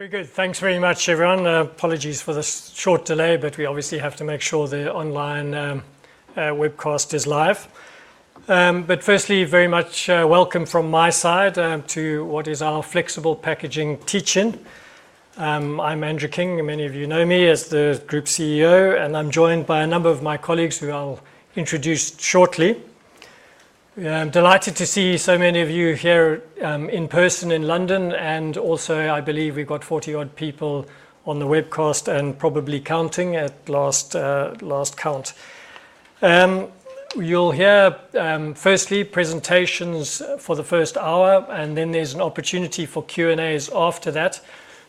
Very good. Thanks very much, everyone. Apologies for the short delay, but we obviously have to make sure the online webcast is live. Firstly, very much welcome from my side to what is our Flexible Packaging Teach-In. I'm Andrew King, and many of you know me as the Group CEO, and I'm joined by a number of my colleagues who I'll introduce shortly. I'm delighted to see so many of you here in person in London, and also, I believe we've got 40-odd people on the webcast and probably counting at last count. You'll hear, firstly, presentations for the first hour, and then there's an opportunity for Q&As after that.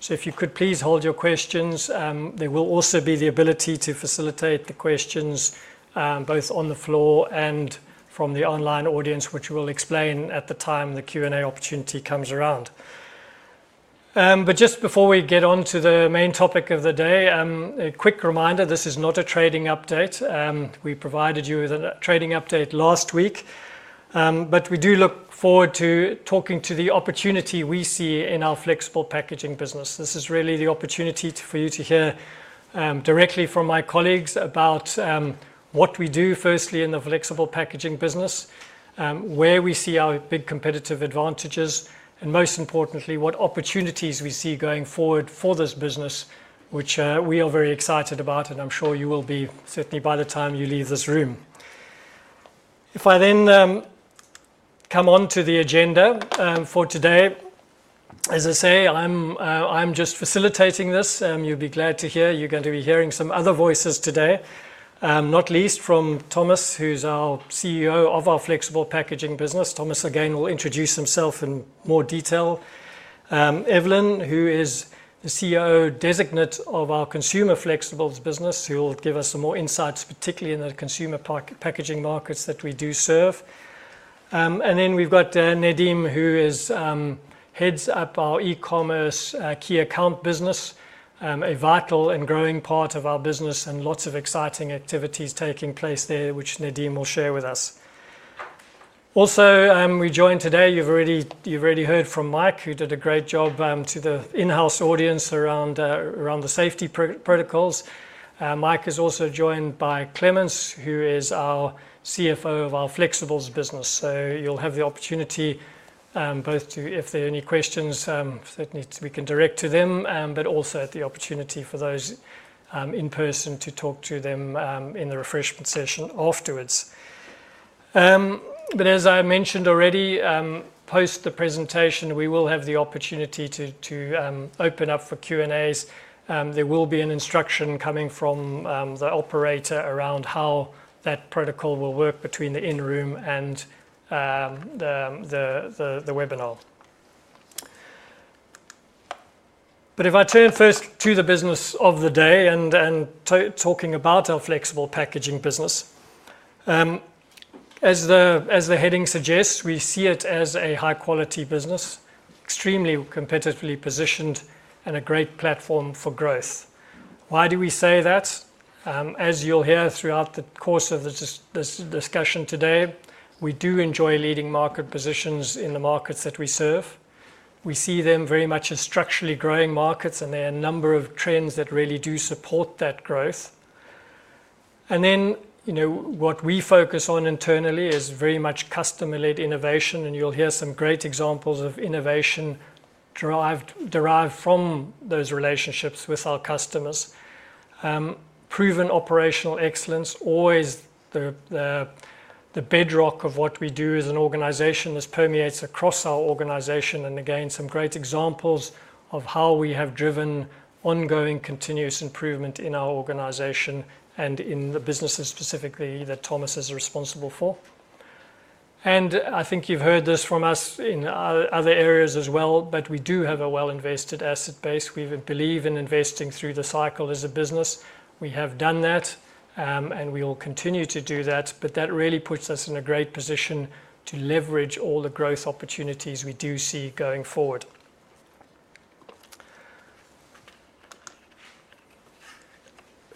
If you could please hold your questions. There will also be the ability to facilitate the questions both on the floor and from the online audience, which we'll explain at the time the Q&A opportunity comes around. Just before we get on to the main topic of the day, a quick reminder: this is not a trading update. We provided you with a trading update last week, but we do look forward to talking to the opportunity we see in our Flexible Packaging business. This is really the opportunity for you to hear directly from my colleagues about what we do, firstly, in the Flexible Packaging business, where we see our big competitive advantages, and most importantly, what opportunities we see going forward for this business, which we are very excited about, and I'm sure you will be, certainly by the time you leave this room. If I then come on to the agenda for today, as I say, I'm just facilitating this. You'll be glad to hear you're going to be hearing some other voices today, not least from Thomas, who's our CEO of our Flexible Packaging business. Thomas, again, will introduce himself in more detail. Eveline, who is the COO designate of our Consumer Flexibles business, who will give us some more insights, particularly in the consumer packaging markets that we do serve. Then we've got Nedim, who heads up our eCommerce Key Account business, a vital and growing part of our business, and lots of exciting activities taking place there, which Nedim will share with us. Also, we are joined today; you've already heard from Mike, who did a great job to the in-house audience around the safety protocols. Mike is also joined by Clemens, who is our CFO of our Flexibles Business. You will have the opportunity both to, if there are any questions, certainly we can direct to them, but also the opportunity for those in person to talk to them in the refreshment session afterwards. As I mentioned already, post the presentation, we will have the opportunity to open up for Q&As. There will be an instruction coming from the operator around how that protocol will work between the in-room and the webinar. If I turn first to the business of the day and talking about our Flexible Packaging business, as the heading suggests, we see it as a high-quality business, extremely competitively positioned, and a great platform for growth. Why do we say that? As you will hear throughout the course of the discussion today, we do enjoy leading market positions in the markets that we serve. We see them very much as structurally growing markets, and there are a number of trends that really do support that growth. What we focus on internally is very much customer-led innovation, and you'll hear some great examples of innovation derived from those relationships with our customers. Proven operational excellence, always the bedrock of what we do as an organization, permeates across our organization, and again, some great examples of how we have driven ongoing continuous improvement in our organization and in the businesses specifically that Thomas is responsible for. I think you've heard this from us in other areas as well, but we do have a well-invested asset base. We believe in investing through the cycle as a business. We have done that, and we will continue to do that, but that really puts us in a great position to leverage all the growth opportunities we do see going forward.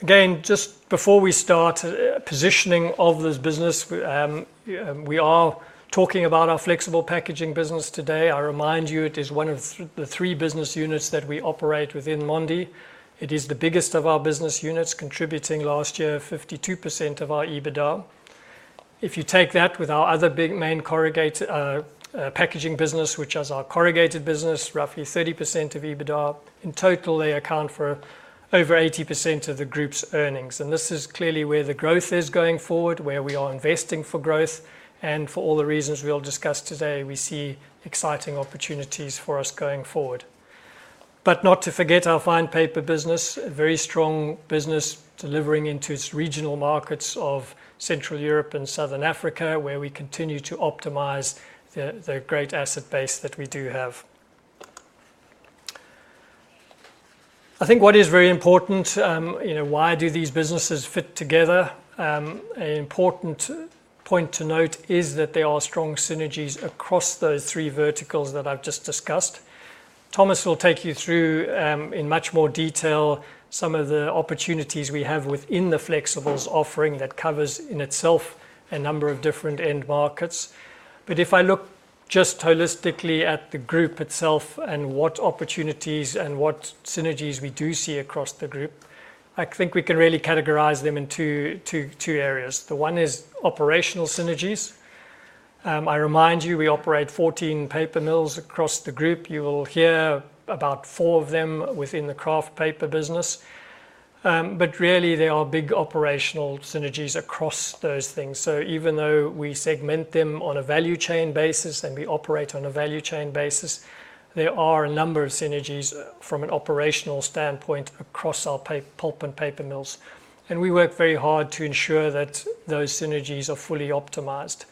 Again, just before we start positioning of this business, we are talking about our Flexible Packaging business today. I remind you, it is one of the three business units that we operate within Mondi. It is the biggest of our business units, contributing last year 52% of our EBITDA. If you take that with our other big main packaging business, which is our Corrugated business, roughly 30% of EBITDA. In total, they account for over 80% of the Group's earnings, and this is clearly where the growth is going forward, where we are investing for growth, and for all the reasons we'll discuss today, we see exciting opportunities for us going forward. Not to forget our Fine Paper business, a very strong business delivering into its regional markets of Central Europe and Southern Africa, where we continue to optimize the great asset base that we do have. I think what is very important, why do these businesses fit together? An important point to note is that there are strong synergies across those three verticals that I've just discussed. Thomas will take you through, in much more detail, some of the opportunities we have within the Flexibles offering that covers in itself a number of different end markets. If I look just holistically at the group itself and what opportunities and what synergies we do see across the group, I think we can really categorize them in two areas. The one is operational synergies. I remind you, we operate 14 paper mills across the group. You will hear about four of them within the kraft paper business, but really there are big operational synergies across those things. Even though we segment them on a value chain basis and we operate on a value chain basis, there are a number of synergies from an operational standpoint across our pulp and paper mills, and we work very hard to ensure that those synergies are fully optimized.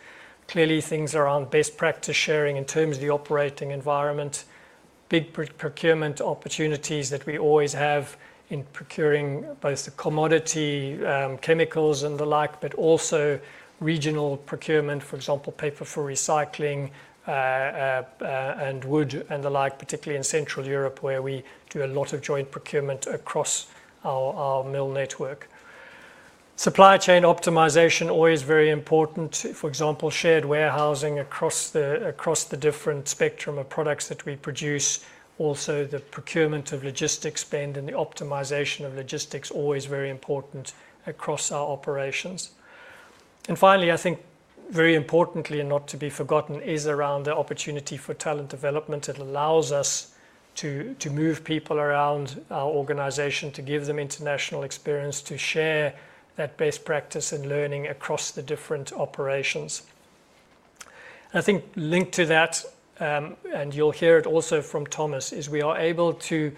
Clearly, things around best practice sharing in terms of the operating environment, big procurement opportunities that we always have in procuring both the commodity, chemicals, and the like, but also regional procurement, for example, paper for recycling and wood and the like, particularly in Central Europe, where we do a lot of joint procurement across our mill network. Supply chain optimization, always very important. For example, shared warehousing across the different spectrum of products that we produce. Also, the procurement of logistics spend and the optimization of logistics, always very important across our operations. Finally, I think very importantly, and not to be forgotten, is around the opportunity for talent development. It allows us to move people around our organization to give them international experience, to share that best practice and learning across the different operations. I think linked to that, and you'll hear it also from Thomas, is we are able to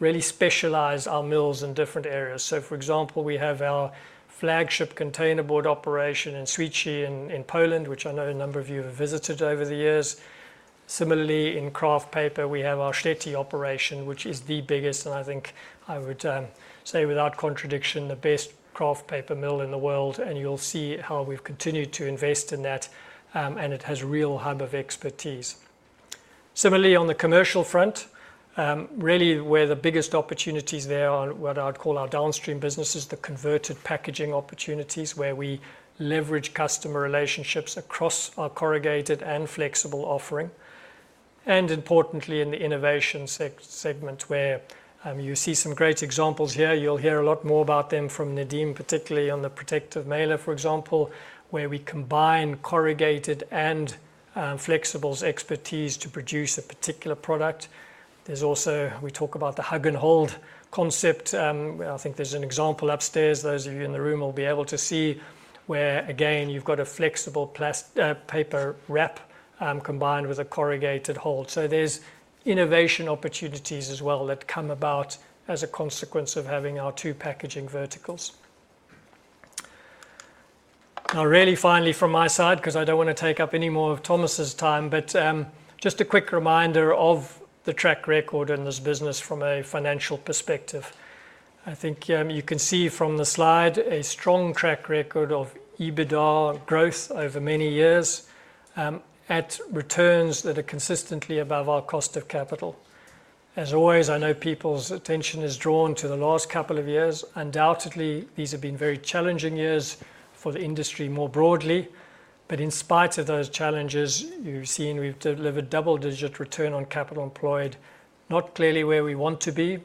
really specialize our mills in different areas. For example, we have our flagship containerboard operation in Štětí in Poland, which I know a number of you have visited over the years. Similarly, in kraft paper, we have our Štětí operation, which is the biggest, and I think I would say without contradiction, the best kraft paper mill in the world, and you'll see how we've continued to invest in that, and it has a real hub of expertise. Similarly, on the commercial front, really where the biggest opportunities there are, what I'd call our downstream businesses, the converted packaging opportunities where we leverage customer relationships across our Corrugated and Flexible offering. Importantly, in the innovation segment, where you see some great examples here, you'll hear a lot more about them from Nedim, particularly on the protective mailer, for example, where we combine Corrugated and Flexibles expertise to produce a particular product. There's also, we talk about the hug and hold concept. I think there's an example upstairs. Those of you in the room will be able to see where, again, you've got a Flexible paper wrap combined with a Corrugated hold. There are innovation opportunities as well that come about as a consequence of having our two packaging verticals. Now, really finally from my side, because I do not want to take up any more of Thomas' time, but just a quick reminder of the track record in this business from a financial perspective. I think you can see from the slide a strong track record of EBITDA growth over many years at returns that are consistently above our cost of capital. As always, I know people's attention is drawn to the last couple of years. Undoubtedly, these have been very challenging years for the industry more broadly, but in spite of those challenges, you've seen we've delivered double-digit return on capital employed, not clearly where we want to be.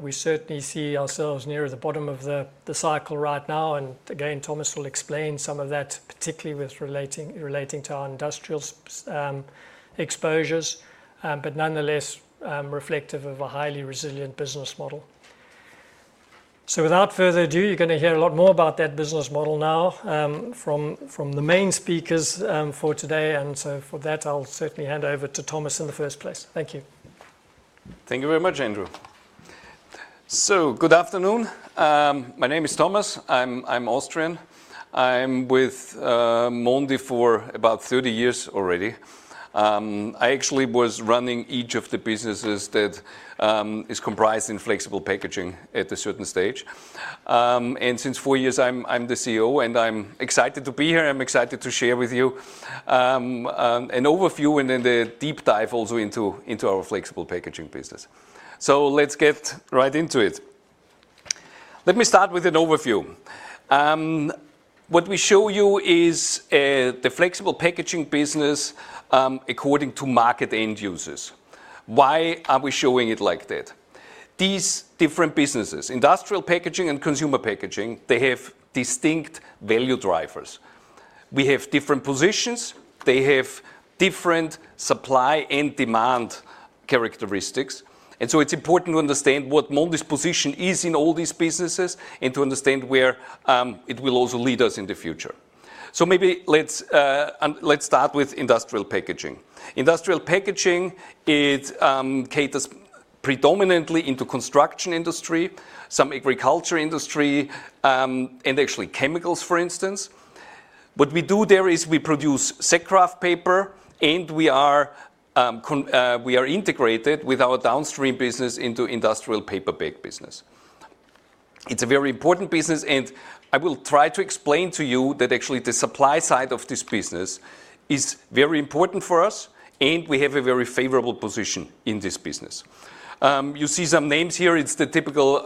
We certainly see ourselves nearer the bottom of the cycle right now, and again, Thomas will explain some of that, particularly relating to our industrial exposures, but nonetheless reflective of a highly resilient business model. Without further ado, you're going to hear a lot more about that business model now from the main speakers for today, and for that, I'll certainly hand over to Thomas in the first place. Thank you. Thank you very much, Andrew. Good afternoon. My name is Thomas. I'm Austrian. I'm with Mondi for about 30 years already. I actually was running each of the businesses that is comprised in Flexible Packaging at a certain stage. Since four years, I'm the CEO, and I'm excited to be here. I'm excited to share with you an overview and then the deep dive also into our Flexible Packaging business. Let's get right into it. Let me start with an overview. What we show you is the Flexible Packaging business according to market end users. Why are we showing it like that? These different businesses, industrial packaging and consumer packaging, they have distinct value drivers. We have different positions. They have different supply and demand characteristics. It is important to understand what Mondi's position is in all these businesses and to understand where it will also lead us in the future. Maybe let's start with industrial packaging. Industrial packaging caters predominantly to the construction industry, some agriculture industry, and actually chemicals, for instance. What we do there is we produce sack kraft paper, and we are integrated with our downstream business into the industrial paper bag business. It is a very important business, and I will try to explain to you that actually the supply side of this business is very important for us, and we have a very favorable position in this business. You see some names here. It is the typical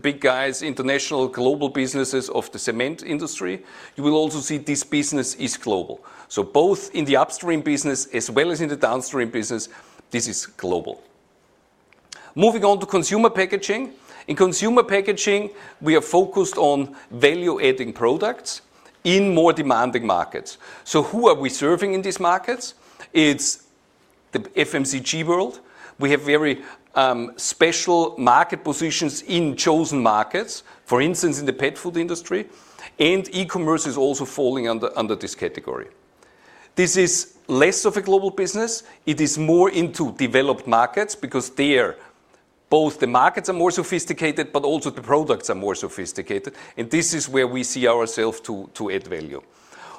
big guys, international global businesses of the cement industry. You will also see this business is global. Both in the upstream business as well as in the downstream business, this is global. Moving on to consumer packaging. In consumer packaging, we are focused on value-adding products in more demanding markets. Who are we serving in these markets? It's the FMCG world. We have very special market positions in chosen markets, for instance, in the pet food industry, and e-commerce is also falling under this category. This is less of a global business. It is more into developed markets because there, both the markets are more sophisticated, but also the products are more sophisticated, and this is where we see ourselves to add value.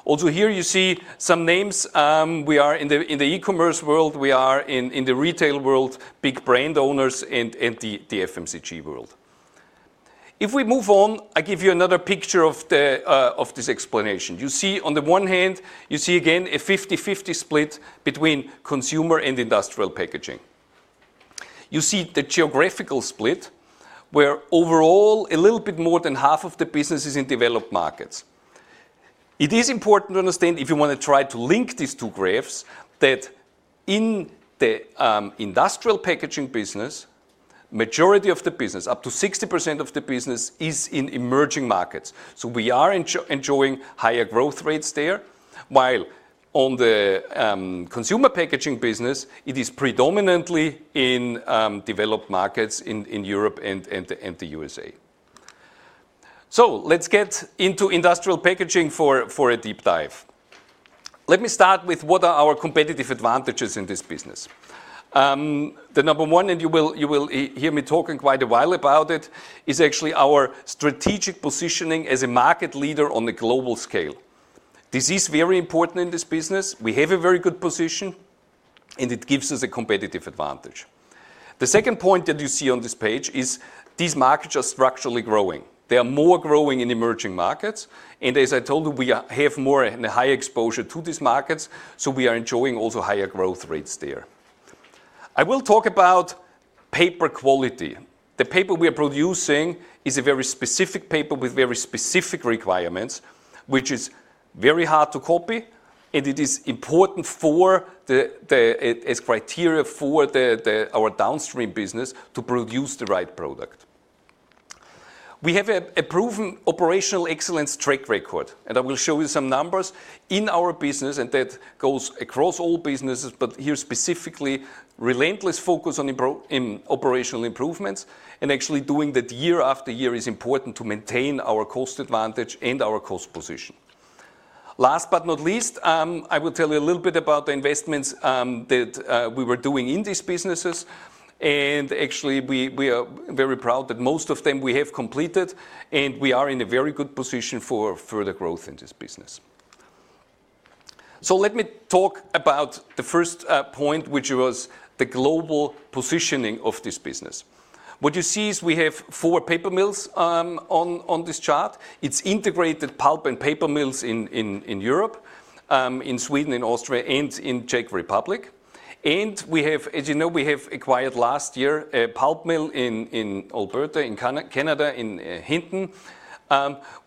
Also here, you see some names. We are in the e-commerce world. We are in the retail world, big brand owners and the FMCG world. If we move on, I give you another picture of this explanation. You see on the one hand, you see again a 50/50 split between consumer and industrial packaging. You see the geographical split where overall, a little bit more than half of the business is in developed markets. It is important to understand if you want to try to link these two graphs that in the industrial packaging business, majority of the business, up to 60% of the business is in emerging markets. We are enjoying higher growth rates there, while on the consumer packaging business, it is predominantly in developed markets in Europe and the USA. Let's get into industrial packaging for a deep dive. Let me start with what are our competitive advantages in this business. The number one, and you will hear me talking quite a while about it, is actually our strategic positioning as a market leader on a global scale. This is very important in this business. We have a very good position, and it gives us a competitive advantage. The second point that you see on this page is these markets are structurally growing. They are more growing in emerging markets, and as I told you, we have more and a higher exposure to these markets, so we are enjoying also higher growth rates there. I will talk about paper quality. The paper we are producing is a very specific paper with very specific requirements, which is very hard to copy, and it is important as criteria for our downstream business to produce the right product. We have a proven operational excellence track record, and I will show you some numbers in our business, and that goes across all businesses, but here specifically, relentless focus on operational improvements and actually doing that year after year is important to maintain our cost advantage and our cost position. Last but not least, I will tell you a little bit about the investments that we were doing in these businesses, and actually we are very proud that most of them we have completed, and we are in a very good position for further growth in this business. Let me talk about the first point, which was the global positioning of this business. What you see is we have four paper mills on this chart. It is integrated pulp and paper mills in Europe, in Sweden, in Austria, and in Czech Republic. As you know, we have acquired last year a pulp mill in Alberta, in Canada, in Hinton,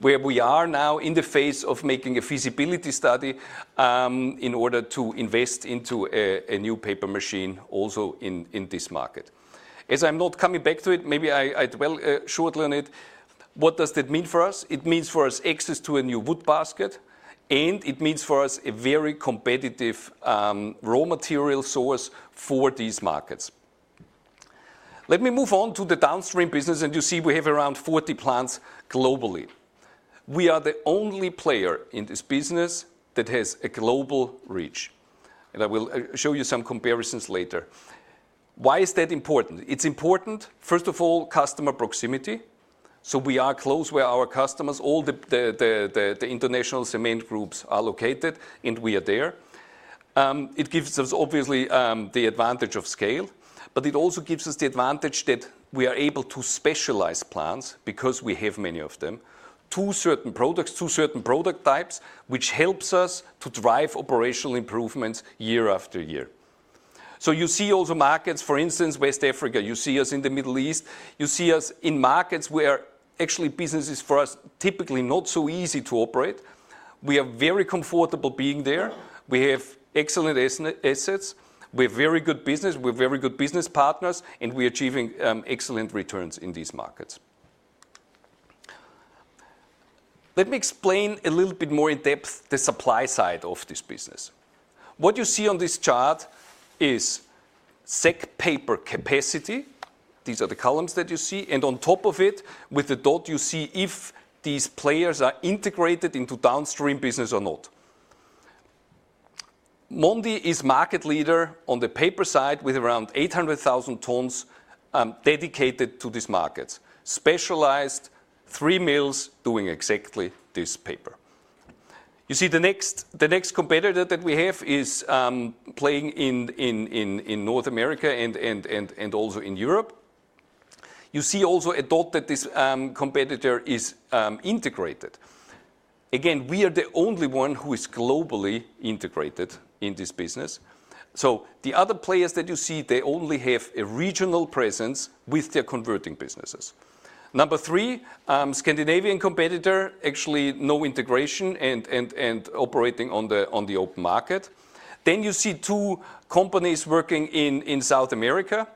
where we are now in the phase of making a feasibility study in order to invest into a new paper machine also in this market. As I am not coming back to it, maybe I dwell shortly on it. What does that mean for us? It means for us access to a new wood basket, and it means for us a very competitive raw material source for these markets. Let me move on to the downstream business, and you see we have around 40 plants globally. We are the only player in this business that has a global reach, and I will show you some comparisons later. Why is that important? It is important, first of all, customer proximity. We are close where our customers, all the international cement groups, are located, and we are there. It gives us obviously the advantage of scale, but it also gives us the advantage that we are able to specialize plants because we have many of them to certain products, to certain product types, which helps us to drive operational improvements year-after-year. You see also markets, for instance, West Africa. You see us in the Middle East. You see us in markets where actually businesses for us are typically not so easy to operate. We are very comfortable being there. We have excellent assets. We have very good business. We have very good business partners, and we are achieving excellent returns in these markets. Let me explain a little bit more in depth the supply side of this business. What you see on this chart is sack paper capacity. These are the columns that you see, and on top of it, with the dot, you see if these players are integrated into downstream business or not. Mondi is market leader on the paper side with around 800,000 tons dedicated to these markets, specialized three mills doing exactly this paper. You see the next competitor that we have is playing in North America and also in Europe. You see also a dot that this competitor is integrated. Again, we are the only one who is globally integrated in this business. The other players that you see, they only have a regional presence with their converting businesses. Number three, Scandinavian competitor, actually no integration and operating on the open market. You see two companies working in South America.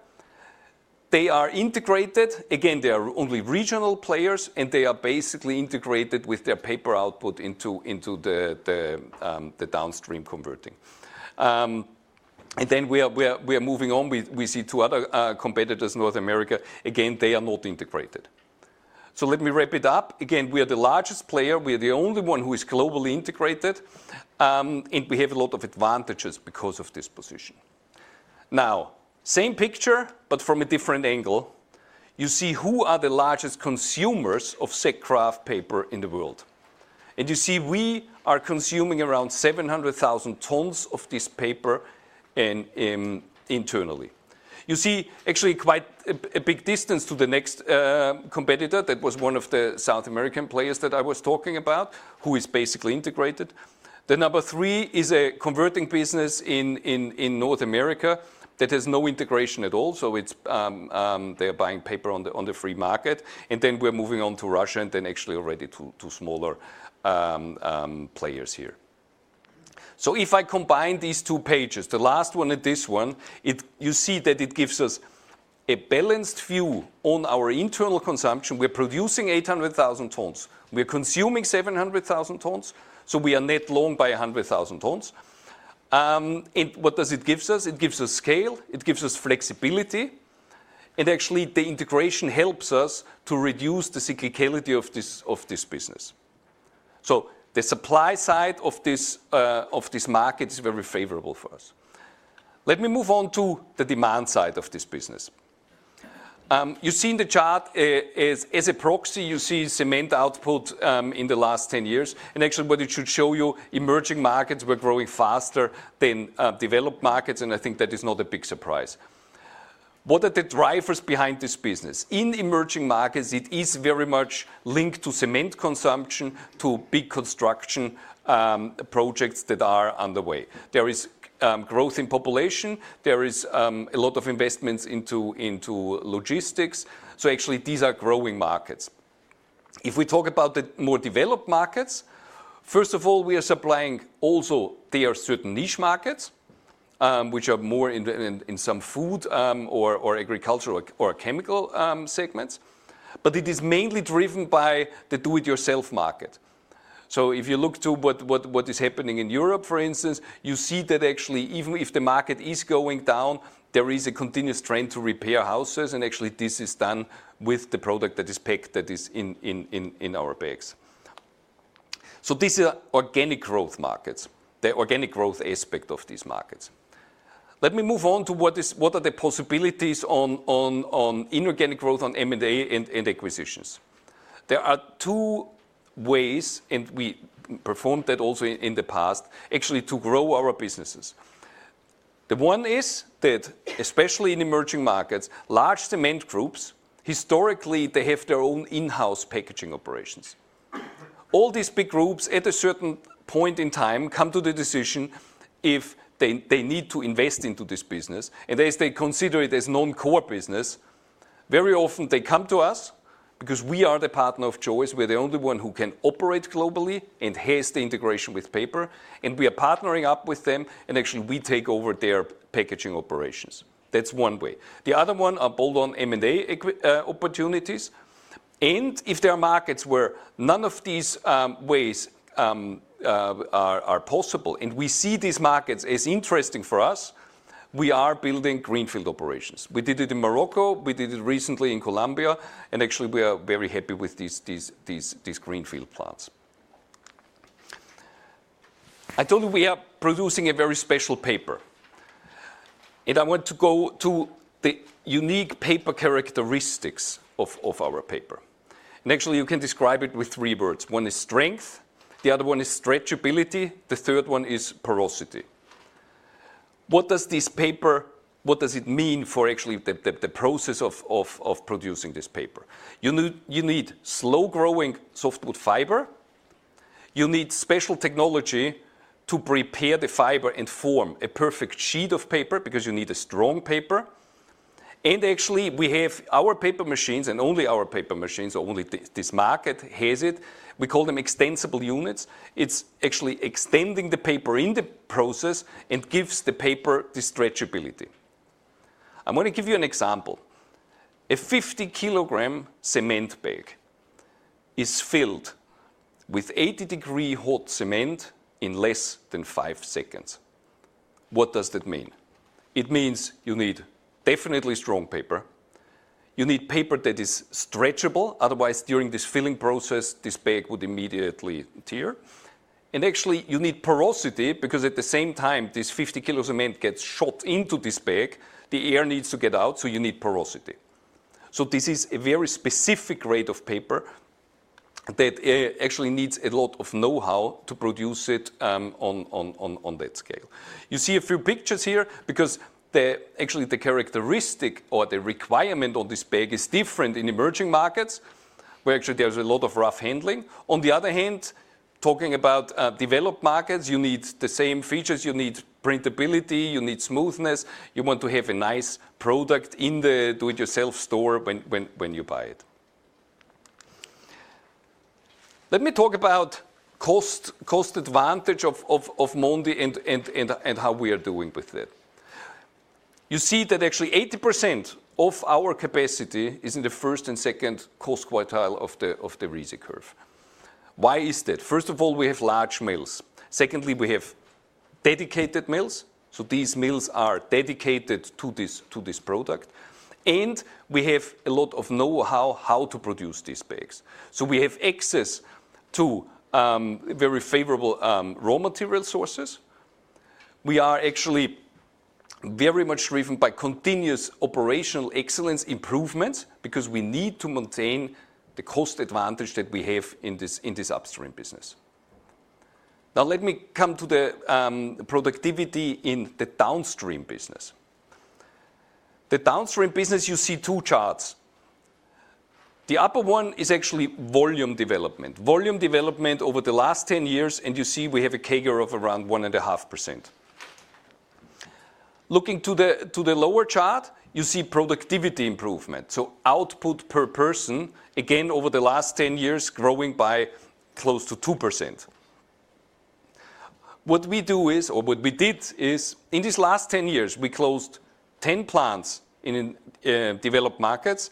They are integrated. Again, they are only regional players, and they are basically integrated with their paper output into the downstream converting. We are moving on. We see two other competitors, North America. Again, they are not integrated. Let me wrap it up. Again, we are the largest player. We are the only one who is globally integrated, and we have a lot of advantages because of this position. Now, same picture, but from a different angle. You see who are the largest consumers of sack kraft paper in the world. You see we are consuming around 700,000 tons of this paper internally. You see actually quite a big distance to the next competitor. That was one of the South American players that I was talking about, who is basically integrated. The number three is a converting business in North America that has no integration at all. They are buying paper on the free market, and then we are moving on to Russia and then actually already to smaller players here. If I combine these two pages, the last one and this one, you see that it gives us a balanced view on our internal consumption. We're producing 800,000 tons. We're consuming 700,000 tons, so we are net long by 100,000 tons. What does it give us? It gives us scale. It gives us flexibility. Actually, the integration helps us to reduce the cyclicality of this business. The supply side of this market is very favorable for us. Let me move on to the demand side of this business. You see in the chart as a proxy, you see cement output in the last 10 years. Actually, what it should show you, emerging markets were growing faster than developed markets, and I think that is not a big surprise. What are the drivers behind this business? In emerging markets, it is very much linked to cement consumption, to big construction projects that are underway. There is growth in population. There is a lot of investments into logistics. Actually, these are growing markets. If we talk about the more developed markets, first of all, we are supplying also there certain niche markets, which are more in some food or agricultural or chemical segments, but it is mainly driven by the Do-It-Yourself market. If you look to what is happening in Europe, for instance, you see that actually, even if the market is going down, there is a continuous trend to repair houses, and actually, this is done with the product that is packed that is in our bags. These are organic growth markets, the organic growth aspect of these markets. Let me move on to what are the possibilities on inorganic growth on M&A and acquisitions. There are two ways, and we performed that also in the past, actually to grow our businesses. The one is that, especially in emerging markets, large cement groups, historically, they have their own in-house packaging operations. All these big groups, at a certain point in time, come to the decision if they need to invest into this business. As they consider it as non-core business, very often they come to us because we are the partner of choice. We are the only one who can operate globally and has the integration with paper, and we are partnering up with them, and actually, we take over their packaging operations. That is one way. The other one are bolt-on M&A opportunities. If there are markets where none of these ways are possible, and we see these markets as interesting for us, we are building greenfield operations. We did it in Morocco. We did it recently in Colombia, and actually, we are very happy with these greenfield plants. I told you we are producing a very special paper, and I want to go to the unique paper characteristics of our paper. Actually, you can describe it with three words. One is strength. The other one is stretchability. The third one is porosity. What does this paper, what does it mean for actually the process of producing this paper? You need slow-growing softwood fiber. You need special technology to prepare the fiber and form a perfect sheet of paper because you need a strong paper. Actually, we have our paper machines, and only our paper machines, only this market has it. We call them extensible units. It is actually extending the paper in the process and gives the paper the stretchability. I'm going to give you an example. A 50 kg cement bag is filled with 80-degree hot cement in less than five seconds. What does that mean? It means you need definitely strong paper. You need paper that is stretchable. Otherwise, during this filling process, this bag would immediately tear. Actually, you need porosity because at the same time, this 50 kg of cement gets shot into this bag. The air needs to get out, so you need porosity. This is a very specific grade of paper that actually needs a lot of know-how to produce it on that scale. You see a few pictures here because actually, the characteristic or the requirement on this bag is different in emerging markets, where actually there is a lot of rough handling. On the other hand, talking about developed markets, you need the same features. You need printability. You need smoothness. You want to have a nice product in the do-it-yourself store when you buy it. Let me talk about cost advantage of Mondi and how we are doing with it. You see that actually 80% of our capacity is in the first and second cost quartile of the [RISE] curve. Why is that? First of all, we have large mills. Secondly, we have dedicated mills. So these mills are dedicated to this product, and we have a lot of know-how how to produce these bags. So we have access to very favorable raw material sources. We are actually very much driven by continuous operational excellence improvements because we need to maintain the cost advantage that we have in this upstream business. Now, let me come to the productivity in the downstream business. The downstream business, you see two charts. The upper one is actually volume development. Volume development over the last 10 years, and you see we have a CAGR of around 1.5%. Looking to the lower chart, you see productivity improvement. Output per person, again, over the last 10 years, growing by close to 2%. What we do is, or what we did is, in these last 10 years, we closed 10 plants in developed markets,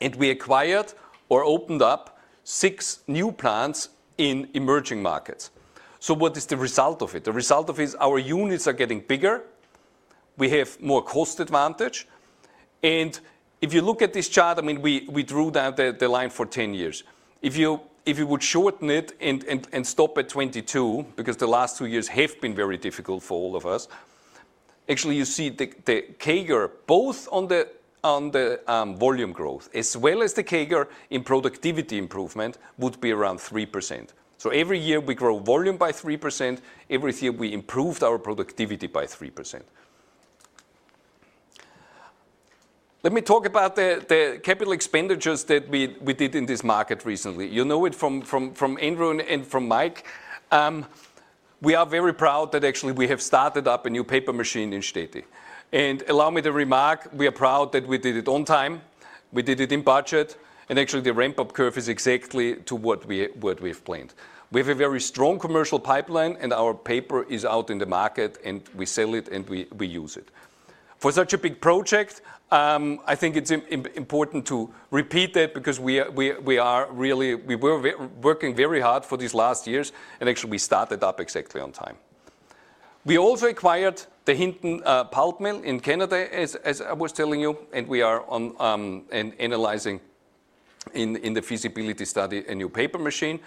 and we acquired or opened up six new plants in emerging markets. What is the result of it? The result of it is our units are getting bigger. We have more cost advantage. If you look at this chart, I mean, we drew down the line for 10 years. If you would shorten it and stop at 2022 because the last two years have been very difficult for all of us, actually, you see the CAGR, both on the volume growth as well as the CAGR in productivity improvement, would be around 3%. Every year we grow volume by 3%. Every year we improved our productivity by 3%. Let me talk about the capital expenditures that we did in this market recently. You know it from Andrew and from Mike. We are very proud that actually we have started up a new paper machine in Štětí. Allow me to remark, we are proud that we did it on time. We did it in budget, and actually the ramp-up curve is exactly to what we have planned. We have a very strong commercial pipeline, and our paper is out in the market, and we sell it, and we use it. For such a big project, I think it is important to repeat that because we are really, we were working very hard for these last years, and actually we started up exactly on time. We also acquired the Hinton pulp mill in Canada, as I was telling you, and we are analyzing in the feasibility study a new paper machine.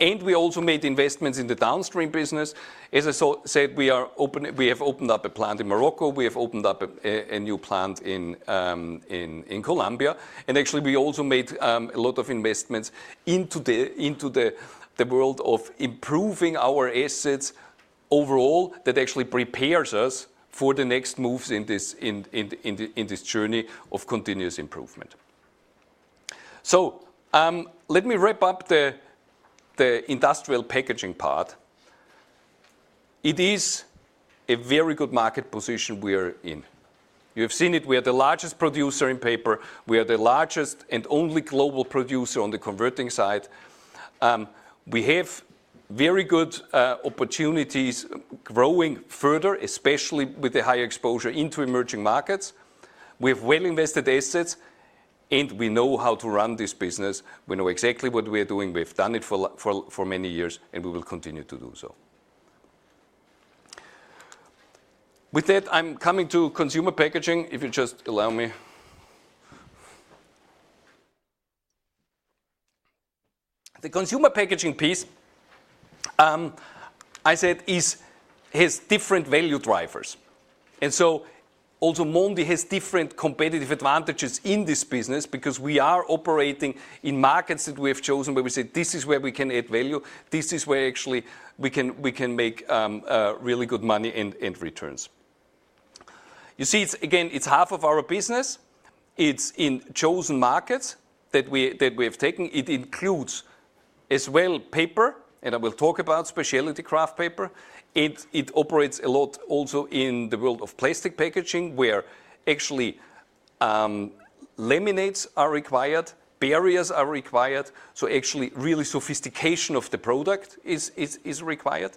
We also made investments in the downstream business. As I said, we have opened up a plant in Morocco. We have opened up a new plant in Colombia. Actually, we also made a lot of investments into the world of improving our assets overall that actually prepares us for the next moves in this journey of continuous improvement. Let me wrap up the industrial packaging part. It is a very good market position we are in. You have seen it. We are the largest producer in paper. We are the largest and only global producer on the converting side. We have very good opportunities growing further, especially with the high exposure into emerging markets. We have well-invested assets, and we know how to run this business. We know exactly what we are doing. We have done it for many years, and we will continue to do so. With that, I'm coming to consumer packaging, if you just allow me. The consumer packaging piece, I said, has different value drivers. Mondi has different competitive advantages in this business because we are operating in markets that we have chosen where we say, "This is where we can add value. This is where actually we can make really good money and returns." You see, again, it's half of our business. It's in chosen markets that we have taken. It includes as well paper, and I will talk about specialty kraft paper. It operates a lot also in the world of plastic packaging, where actually laminates are required, barriers are required. Actually, really, sophistication of the product is required.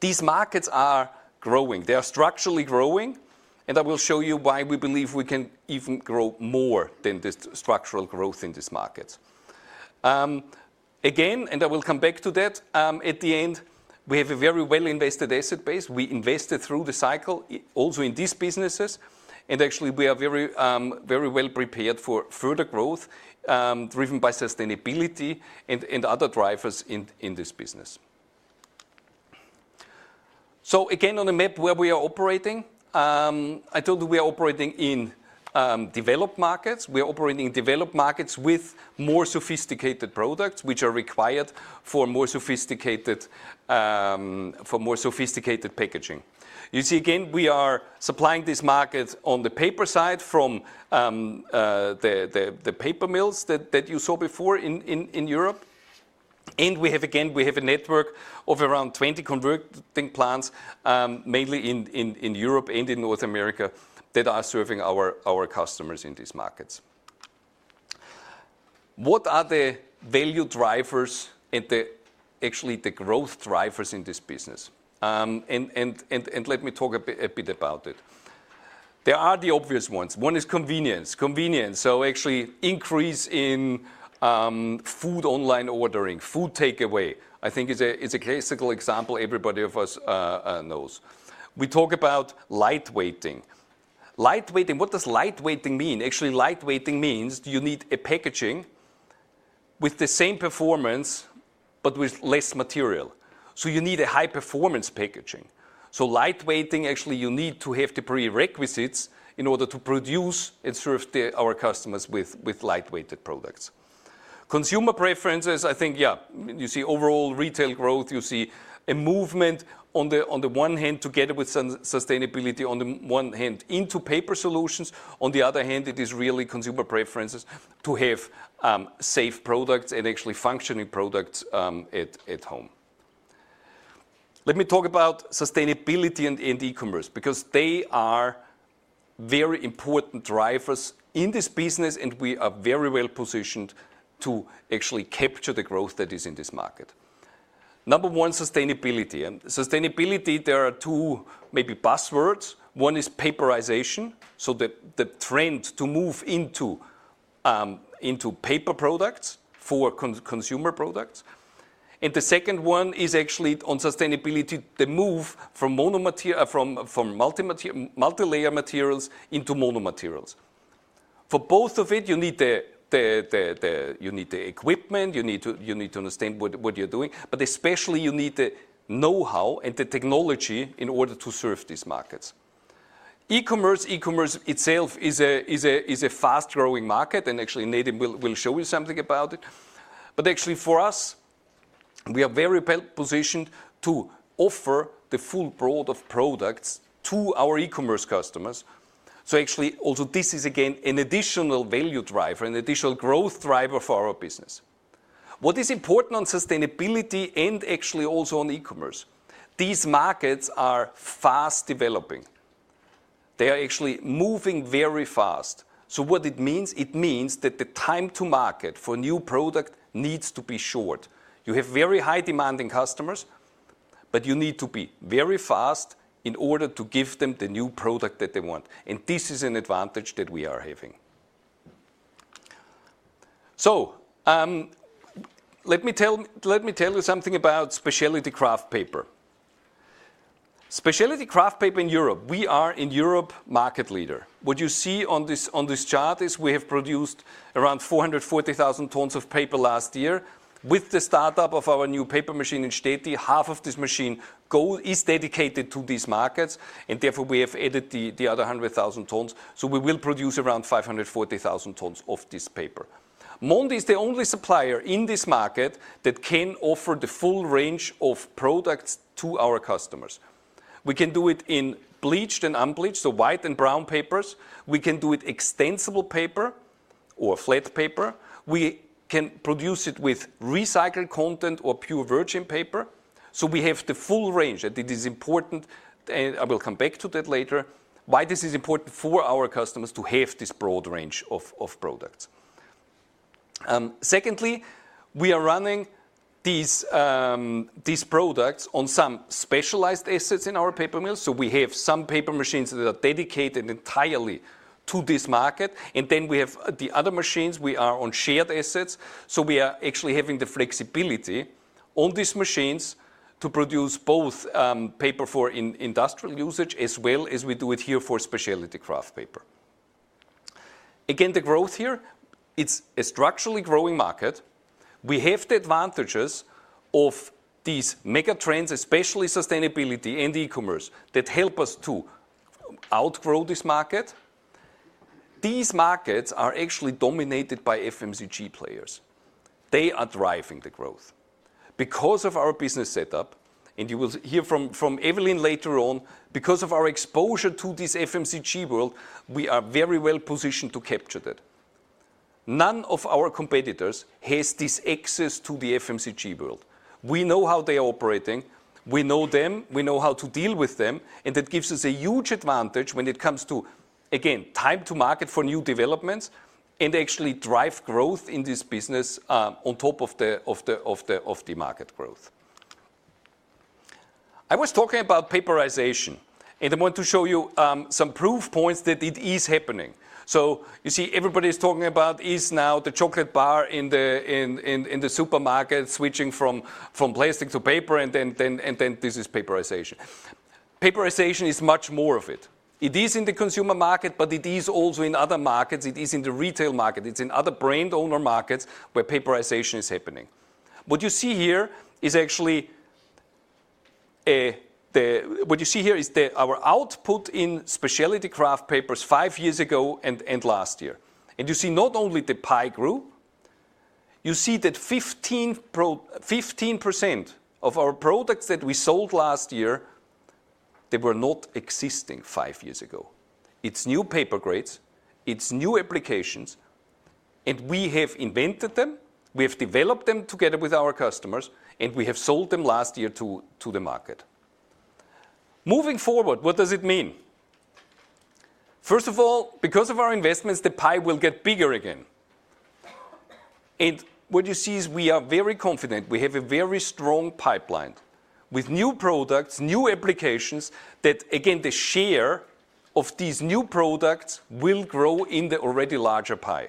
These markets are growing. They are structurally growing, and I will show you why we believe we can even grow more than this structural growth in these markets. Again, I will come back to that at the end. We have a very well-invested asset base. We invested through the cycle also in these businesses, and actually we are very well prepared for further growth driven by sustainability and other drivers in this business. Again, on the map where we are operating, I told you we are operating in developed markets. We are operating in developed markets with more sophisticated products, which are required for more sophisticated packaging. You see, again, we are supplying this market on the paper side from the paper mills that you saw before in Europe. We have a network of around 20 converting plants, mainly in Europe and in North America that are serving our customers in these markets. What are the value drivers and actually the growth drivers in this business? Let me talk a bit about it. There are the obvious ones. One is convenience. Convenience, so actually increase in food online ordering, food takeaway. I think it's a classical example everybody of us knows. We talk about lightweighting. Lightweighting, what does lightweighting mean? Actually, lightweighting means you need a packaging with the same performance, but with less material. You need a high-performance packaging. Lightweighting, actually, you need to have the prerequisites in order to produce and serve our customers with lightweighted products. Consumer preferences, I think, yeah, you see overall retail growth. You see a movement on the one hand together with sustainability on the one hand into paper solutions. On the other hand, it is really consumer preferences to have safe products and actually functioning products at home. Let me talk about sustainability and e-commerce because they are very important drivers in this business, and we are very well positioned to actually capture the growth that is in this market. Number one, sustainability. Sustainability, there are two maybe buzzwords. One is paperization, so the trend to move into paper products for consumer products. The second one is actually on sustainability, the move from multilayer materials into mono materials. For both of it, you need the equipment. You need to understand what you're doing, but especially you need the know-how and the technology in order to serve these markets. E-commerce, e-commerce itself is a fast-growing market, and actually Nedim will show you something about it. Actually for us, we are very well positioned to offer the full broad of products to our e-commerce customers. This is again an additional value driver, an additional growth driver for our business. What is important on sustainability and actually also on e-commerce? These markets are fast developing. They are moving very fast. What does it mean? It means that the time to market for a new product needs to be short. You have very high-demanding customers, but you need to be very fast in order to give them the new product that they want. This is an advantage that we are having. Let me tell you something about specialty kraft paper. Specialty kraft paper in Europe, we are in Europe market leader. What you see on this chart is we have produced around 440,000 tons of paper last year. With the startup of our new paper machine in Štětí, half of this machine is dedicated to these markets, and therefore we have added the other 100,000 tons. We will produce around 540,000 tons of this paper. Mondi is the only supplier in this market that can offer the full range of products to our customers. We can do it in bleached and unbleached, so white and brown papers. We can do it extensible paper or flat paper. We can produce it with recycled content or pure virgin paper. We have the full range, and it is important, and I will come back to that later, why this is important for our customers to have this broad range of products. Secondly, we are running these products on some specialized assets in our paper mill. We have some paper machines that are dedicated entirely to this market, and then we have the other machines. We are on shared assets. We are actually having the flexibility on these machines to produce both paper for industrial usage as well as we do it here for specialty kraft paper. Again, the growth here, it's a structurally growing market. We have the advantages of these mega trends, especially sustainability and e-commerce, that help us to outgrow this market. These markets are actually dominated by FMCG players. They are driving the growth because of our business setup, and you will hear from Eveline later on, because of our exposure to this FMCG world, we are very well positioned to capture that. None of our competitors has this access to the FMCG world. We know how they are operating. We know them. We know how to deal with them, and that gives us a huge advantage when it comes to, again, time to market for new developments and actually drive growth in this business on top of the market growth. I was talking about paperization, and I want to show you some proof points that it is happening. You see everybody is talking about is now the chocolate bar in the supermarket switching from plastic to paper, and then this is paperization. Paperization is much more of it. It is in the consumer market, but it is also in other markets. It is in the retail market. It is in other brand owner markets where paperization is happening. What you see here is actually what you see here is our output in specialty kraft papers five years ago and last year. You see not only the pie grew. You see that 15% of our products that we sold last year, they were not existing five years ago. It is new paper grades. It is new applications, and we have invented them. We have developed them together with our customers, and we have sold them last year to the market. Moving forward, what does it mean? First of all, because of our investments, the pie will get bigger again. What you see is we are very confident. We have a very strong pipeline with new products, new applications that, again, the share of these new products will grow in the already larger pie.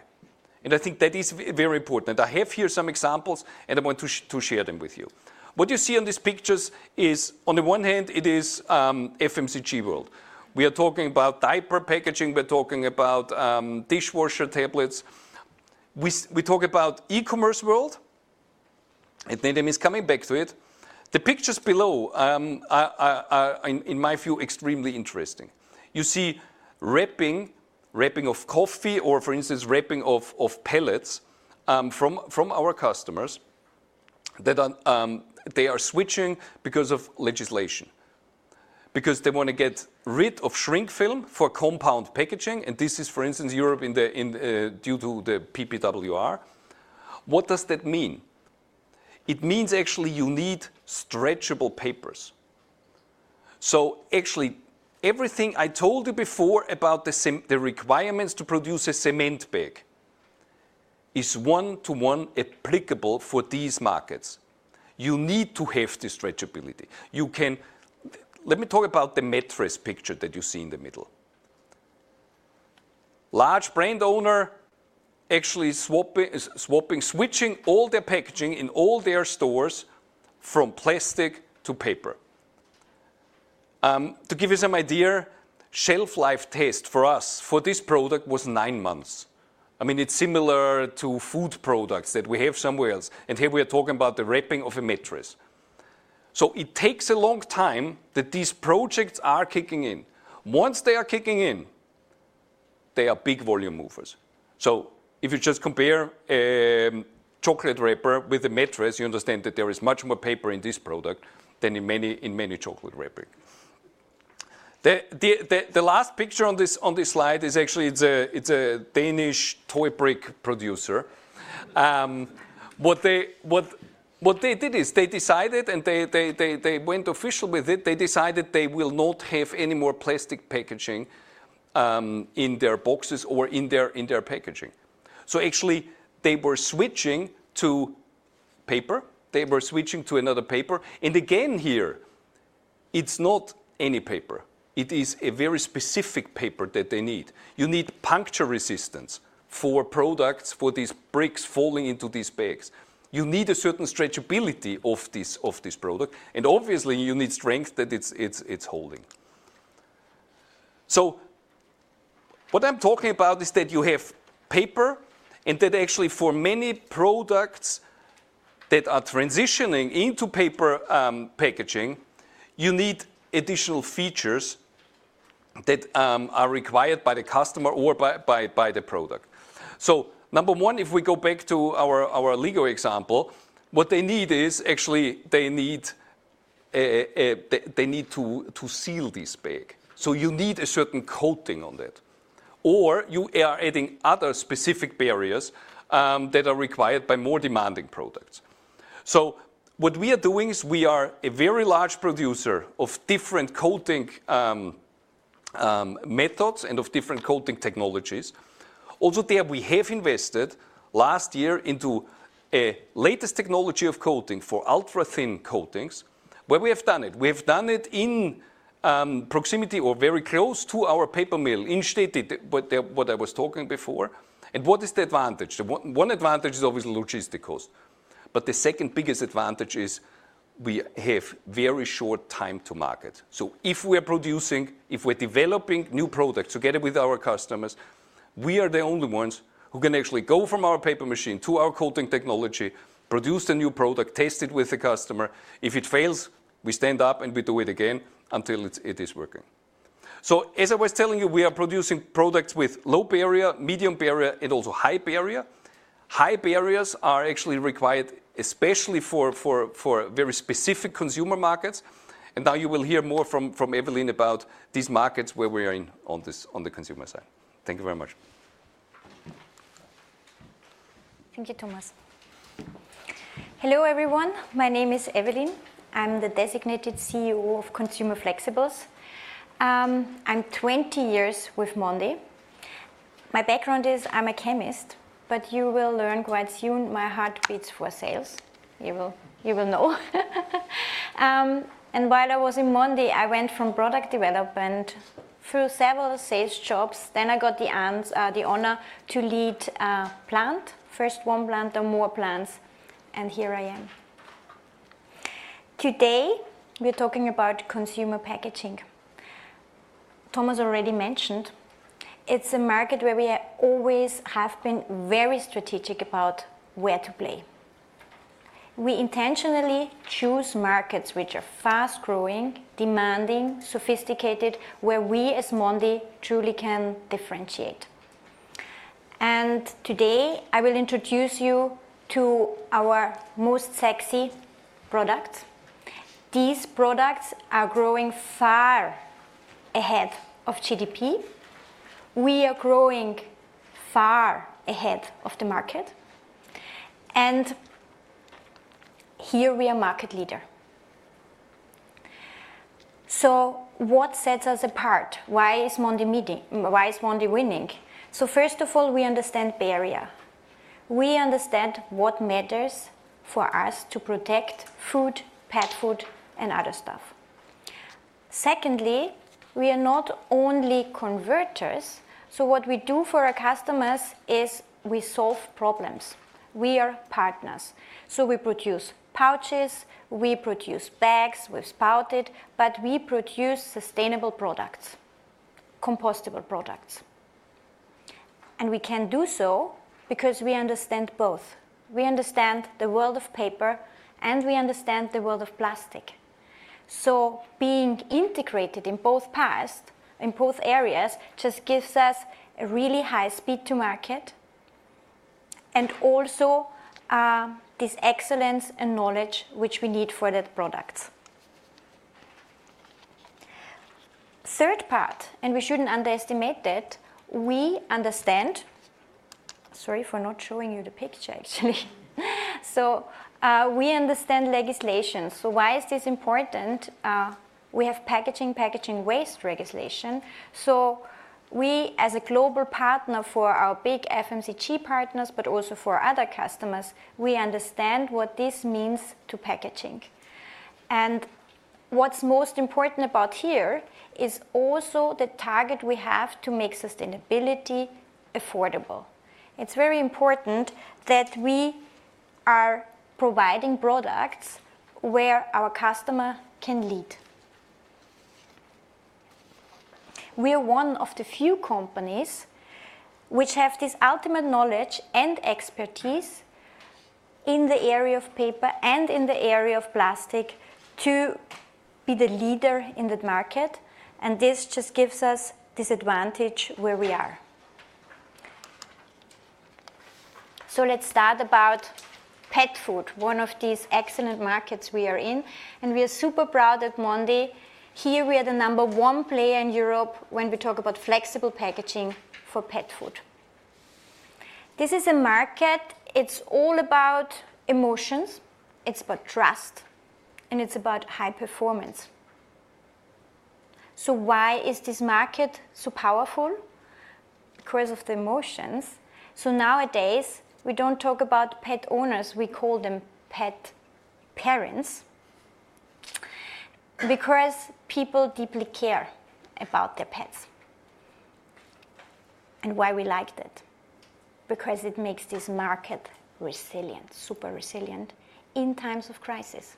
I think that is very important. I have here some examples, and I want to share them with you. What you see on these pictures is, on the one hand, it is FMCG world. We are talking about diaper packaging. We're talking about dishwasher tablets. We talk about e-commerce world, and Nathan is coming back to it. The pictures below, in my view, are extremely interesting. You see wrapping of coffee or, for instance, wrapping of pellets from our customers that they are switching because of legislation, because they want to get rid of shrink film for compound packaging. This is, for instance, Europe due to the PPWR. What does that mean? It means actually you need stretchable papers. Actually, everything I told you before about the requirements to produce a cement bag is one-to-one applicable for these markets. You need to have the stretchability. Let me talk about the mattress picture that you see in the middle. Large brand owner actually switching all their packaging in all their stores from plastic to paper. To give you some idea, shelf life test for us for this product was nine months. I mean, it's similar to food products that we have somewhere else. Here we are talking about the wrapping of a mattress. It takes a long time that these projects are kicking in. Once they are kicking in, they are big volume movers. If you just compare chocolate wrapper with a mattress, you understand that there is much more paper in this product than in many chocolate wrapping. The last picture on this slide is actually a Danish toy brick producer. What they did is they decided, and they went official with it. They decided they will not have any more plastic packaging in their boxes or in their packaging. Actually, they were switching to paper. They were switching to another paper. Again here, it's not any paper. It is a very specific paper that they need. You need puncture resistance for products, for these bricks falling into these bags. You need a certain stretchability of this product. Obviously, you need strength that it is holding. What I am talking about is that you have paper, and that actually for many products that are transitioning into paper packaging, you need additional features that are required by the customer or by the product. Number one, if we go back to our LEGO example, what they need is actually they need to seal this bag. You need a certain coating on that, or you are adding other specific barriers that are required by more demanding products. What we are doing is we are a very large producer of different coating methods and of different coating technologies. Also there, we have invested last year into a latest technology of coating for ultra-thin coatings. Where have we done it? We have done it in proximity or very close to our paper mill in Štětí, what I was talking before. What is the advantage? One advantage is obviously logistic cost, but the second biggest advantage is we have very short time to market. If we are producing, if we're developing new products together with our customers, we are the only ones who can actually go from our paper machine to our coating technology, produce a new product, test it with the customer. If it fails, we stand up and we do it again until it is working. As I was telling you, we are producing products with low barrier, medium barrier, and also high barrier. High barriers are actually required especially for very specific consumer markets. Now you will hear more from Eveline about these markets where we are on the consumer side. Thank you very much. Thank you, Thomas. Hello everyone. My name is Eveline. I'm the designated COO of Consumer Flexibles. I'm 20 years with Mondi. My background is I'm a chemist, but you will learn quite soon my heart beats for sales. You will know. While I was in Mondi, I went from product development through several sales jobs. Then I got the honor to lead a plant, first one plant or more plants, and here I am. Today, we're talking about consumer packaging. Thomas already mentioned it's a market where we always have been very strategic about where to play. We intentionally choose markets which are fast-growing, demanding, sophisticated, where we as Mondi truly can differentiate. Today, I will introduce you to our most sexy products. These products are growing far ahead of GDP. We are growing far ahead of the market, and here we are market leader. What sets us apart? Why is Mondi winning? First of all, we understand barrier. We understand what matters for us to protect food, pet food, and other stuff. Secondly, we are not only converters. What we do for our customers is we solve problems. We are partners. We produce pouches. We produce bags with spouted, but we produce sustainable products, compostable products. We can do so because we understand both. We understand the world of paper, and we understand the world of plastic. Being integrated in both past, in both areas, just gives us a really high speed to market and also this excellence and knowledge which we need for that products. Third part, and we shouldn't underestimate that we understand, sorry for not showing you the picture actually. We understand legislation. Why is this important? We have packaging, packaging waste regulation. We, as a global partner for our big FMCG partners, but also for other customers, understand what this means to packaging. What's most important about here is also the target we have to make sustainability affordable. It's very important that we are providing products where our customer can lead. We are one of the few companies which have this ultimate knowledge and expertise in the area of paper and in the area of plastic to be the leader in the market. This just gives us this advantage where we are. Let's start about pet food, one of these excellent markets we are in. We are super proud at Mondi. Here we are the number one player in Europe when we talk about Flexible Packaging for pet food. This is a market. It's all about emotions. It's about trust, and it's about high performance. Why is this market so powerful? Because of the emotions. Nowadays, we don't talk about pet owners. We call them pet parents because people deeply care about their pets. Why we like that? Because it makes this market resilient, super resilient in times of crisis.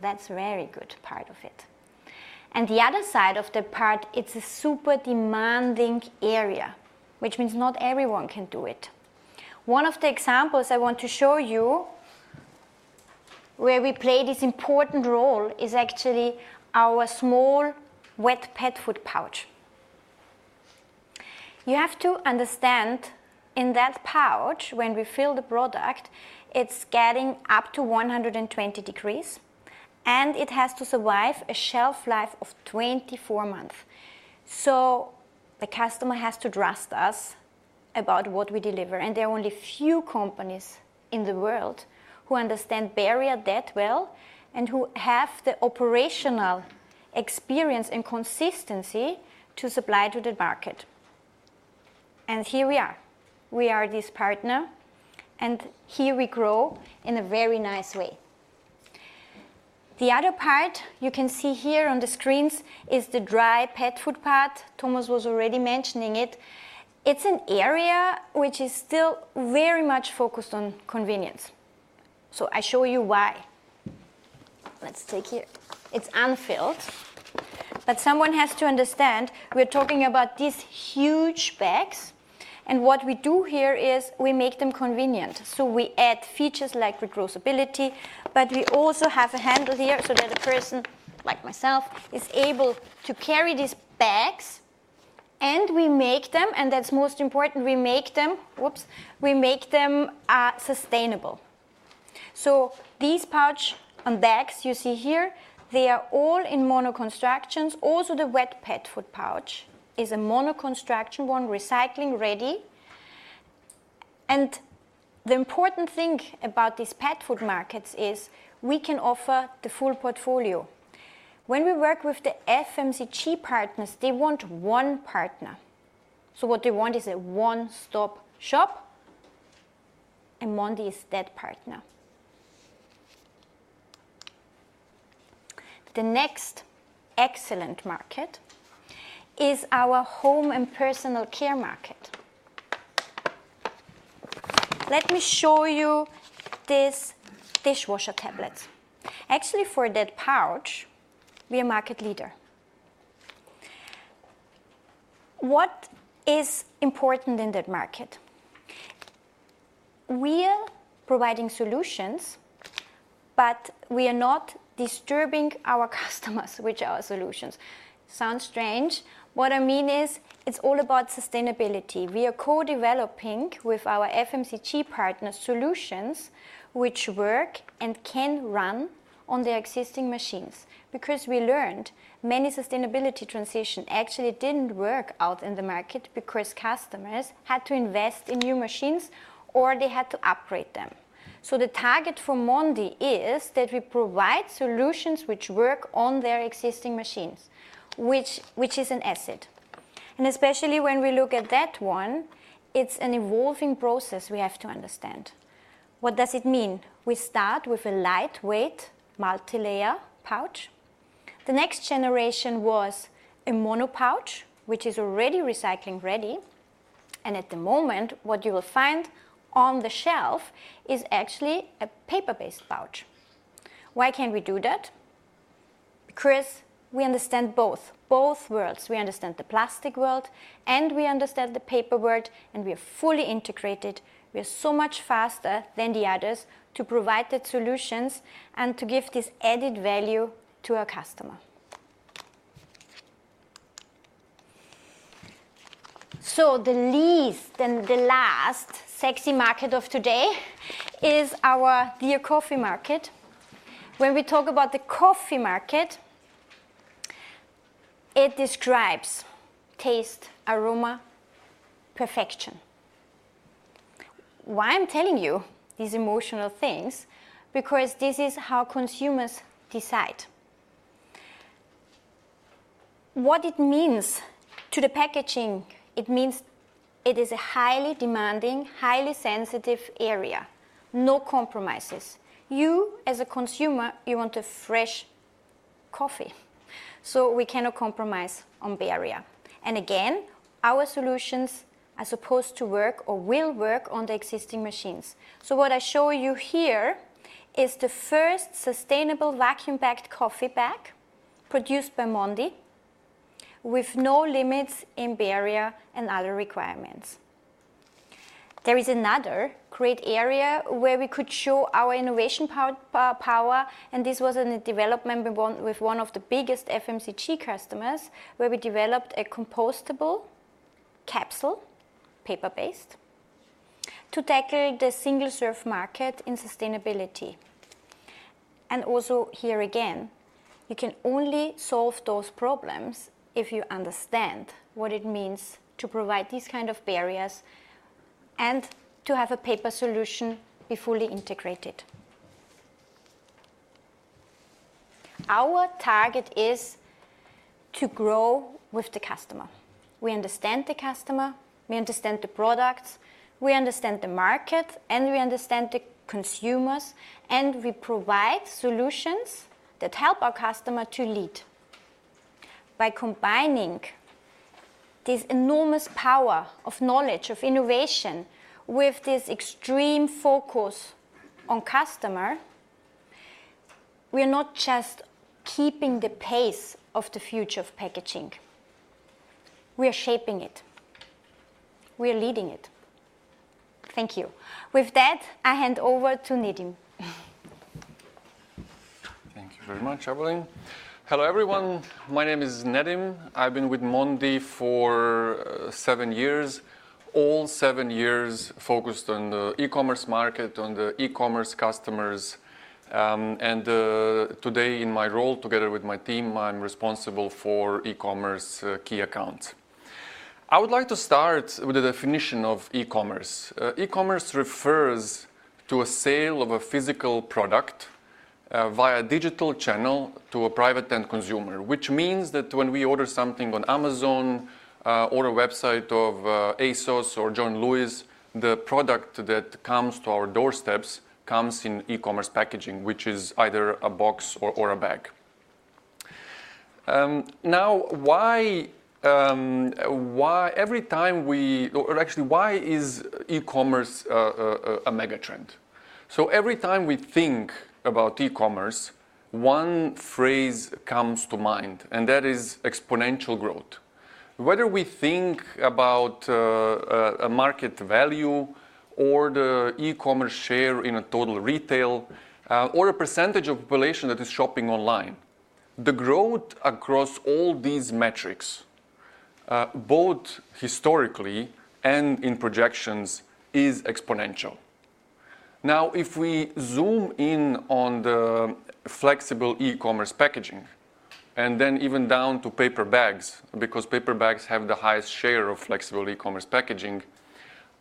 That's a very good part of it. The other side of the part, it's a super demanding area, which means not everyone can do it. One of the examples I want to show you where we play this important role is actually our small wet pet food pouch. You have to understand in that pouch, when we fill the product, it's getting up to 120 degrees, and it has to survive a shelf life of 24 months. The customer has to trust us about what we deliver. There are only a few companies in the world who understand barrier that well and who have the operational experience and consistency to supply to the market. Here we are. We are this partner, and here we grow in a very nice way. The other part you can see here on the screens is the dry pet food part. Thomas was already mentioning it. It's an area which is still very much focused on convenience. I show you why. Let's take here. It's unfilled, but someone has to understand we're talking about these huge bags. What we do here is we make them convenient. We add features like reversibility, but we also have a handle here so that a person like myself is able to carry these bags. We make them, and that's most important, we make them—whoops—we make them sustainable. These pouch and bags you see here, they are all in mono constructions. Also, the wet pet food pouch is a mono construction one, recycling ready. The important thing about these pet food markets is we can offer the full portfolio. When we work with the FMCG partners, they want one partner. What they want is a one-stop shop, and Mondi is that partner. The next excellent market is our home and personal care market. Let me show you this dishwasher tablet. Actually, for that pouch, we are market leader. What is important in that market? We are providing solutions, but we are not disturbing our customers with our solutions. Sounds strange. What I mean is it's all about sustainability. We are co-developing with our FMCG partner solutions which work and can run on their existing machines because we learned many sustainability transitions actually didn't work out in the market because customers had to invest in new machines or they had to upgrade them. The target for Mondi is that we provide solutions which work on their existing machines, which is an asset. Especially when we look at that one, it's an evolving process we have to understand. What does it mean? We start with a lightweight multi-layer pouch. The next generation was a mono pouch, which is already recycling ready. At the moment, what you will find on the shelf is actually a paper-based pouch. Why can't we do that? Because we understand both worlds. We understand the plastic world, and we understand the paper world, and we are fully integrated. We are so much faster than the others to provide the solutions and to give this added value to our customer. The least and the last sexy market of today is our dear coffee market. When we talk about the coffee market, it describes taste, aroma, perfection. Why I'm telling you these emotional things? Because this is how consumers decide. What it means to the packaging, it means it is a highly demanding, highly sensitive area. No compromises. You, as a consumer, you want a fresh coffee. We cannot compromise on barrier. Again, our solutions are supposed to work or will work on the existing machines. What I show you here is the first sustainable vacuum-packed coffee bag produced by Mondi with no limits in barrier and other requirements. There is another great area where we could show our innovation power, and this was in a development with one of the biggest FMCG customers where we developed a compostable capsule, paper-based, to tackle the single-serve market in sustainability. Also here again, you can only solve those problems if you understand what it means to provide these kinds of barriers and to have a paper solution be fully integrated. Our target is to grow with the customer. We understand the customer. We understand the products. We understand the market, and we understand the consumers, and we provide solutions that help our customer to lead. By combining this enormous power of knowledge, of innovation, with this extreme focus on customer, we are not just keeping the pace of the future of packaging. We are shaping it. We are leading it. Thank you. With that, I hand over to Nedim. Thank you very much, Eveline. Hello everyone. My name is Nedim. I've been with Mondi for seven years, all seven years focused on the e-commerce market, on the e-commerce customers. Today, in my role, together with my team, I'm responsible for e-commerce key accounts. I would like to start with the definition of e-commerce. E-commerce refers to a sale of a physical product via a digital channel to a private-end consumer, which means that when we order something on Amazon or a website of ASOS or John Lewis, the product that comes to our doorsteps comes in e-commerce packaging, which is either a box or a bag. Now, why every time we, or actually, why is e-commerce a megatrend? Every time we think about e-commerce, one phrase comes to mind, and that is "exponential growth". Whether we think about a market value or the e-commerce share in a total retail or a percentage of population that is shopping online, the growth across all these metrics, both historically and in projections, is exponential. Now, if we zoom in on the Flexible e-commerce packaging and then even down to paper bags, because paper bags have the highest share of Flexible e-commerce packaging,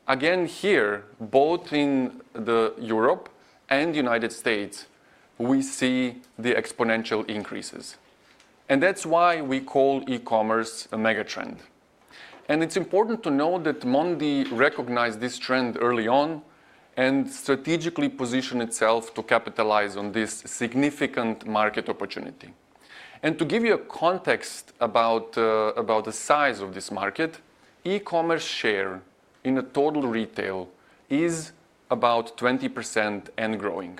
again, here, both in Europe and the United States, we see the exponential increases. That is why we call e-commerce a megatrend. It is important to note that Mondi recognized this trend early on and strategically positioned itself to capitalize on this significant market opportunity. To give you a context about the size of this market, e-commerce share in a total retail is about 20% and growing.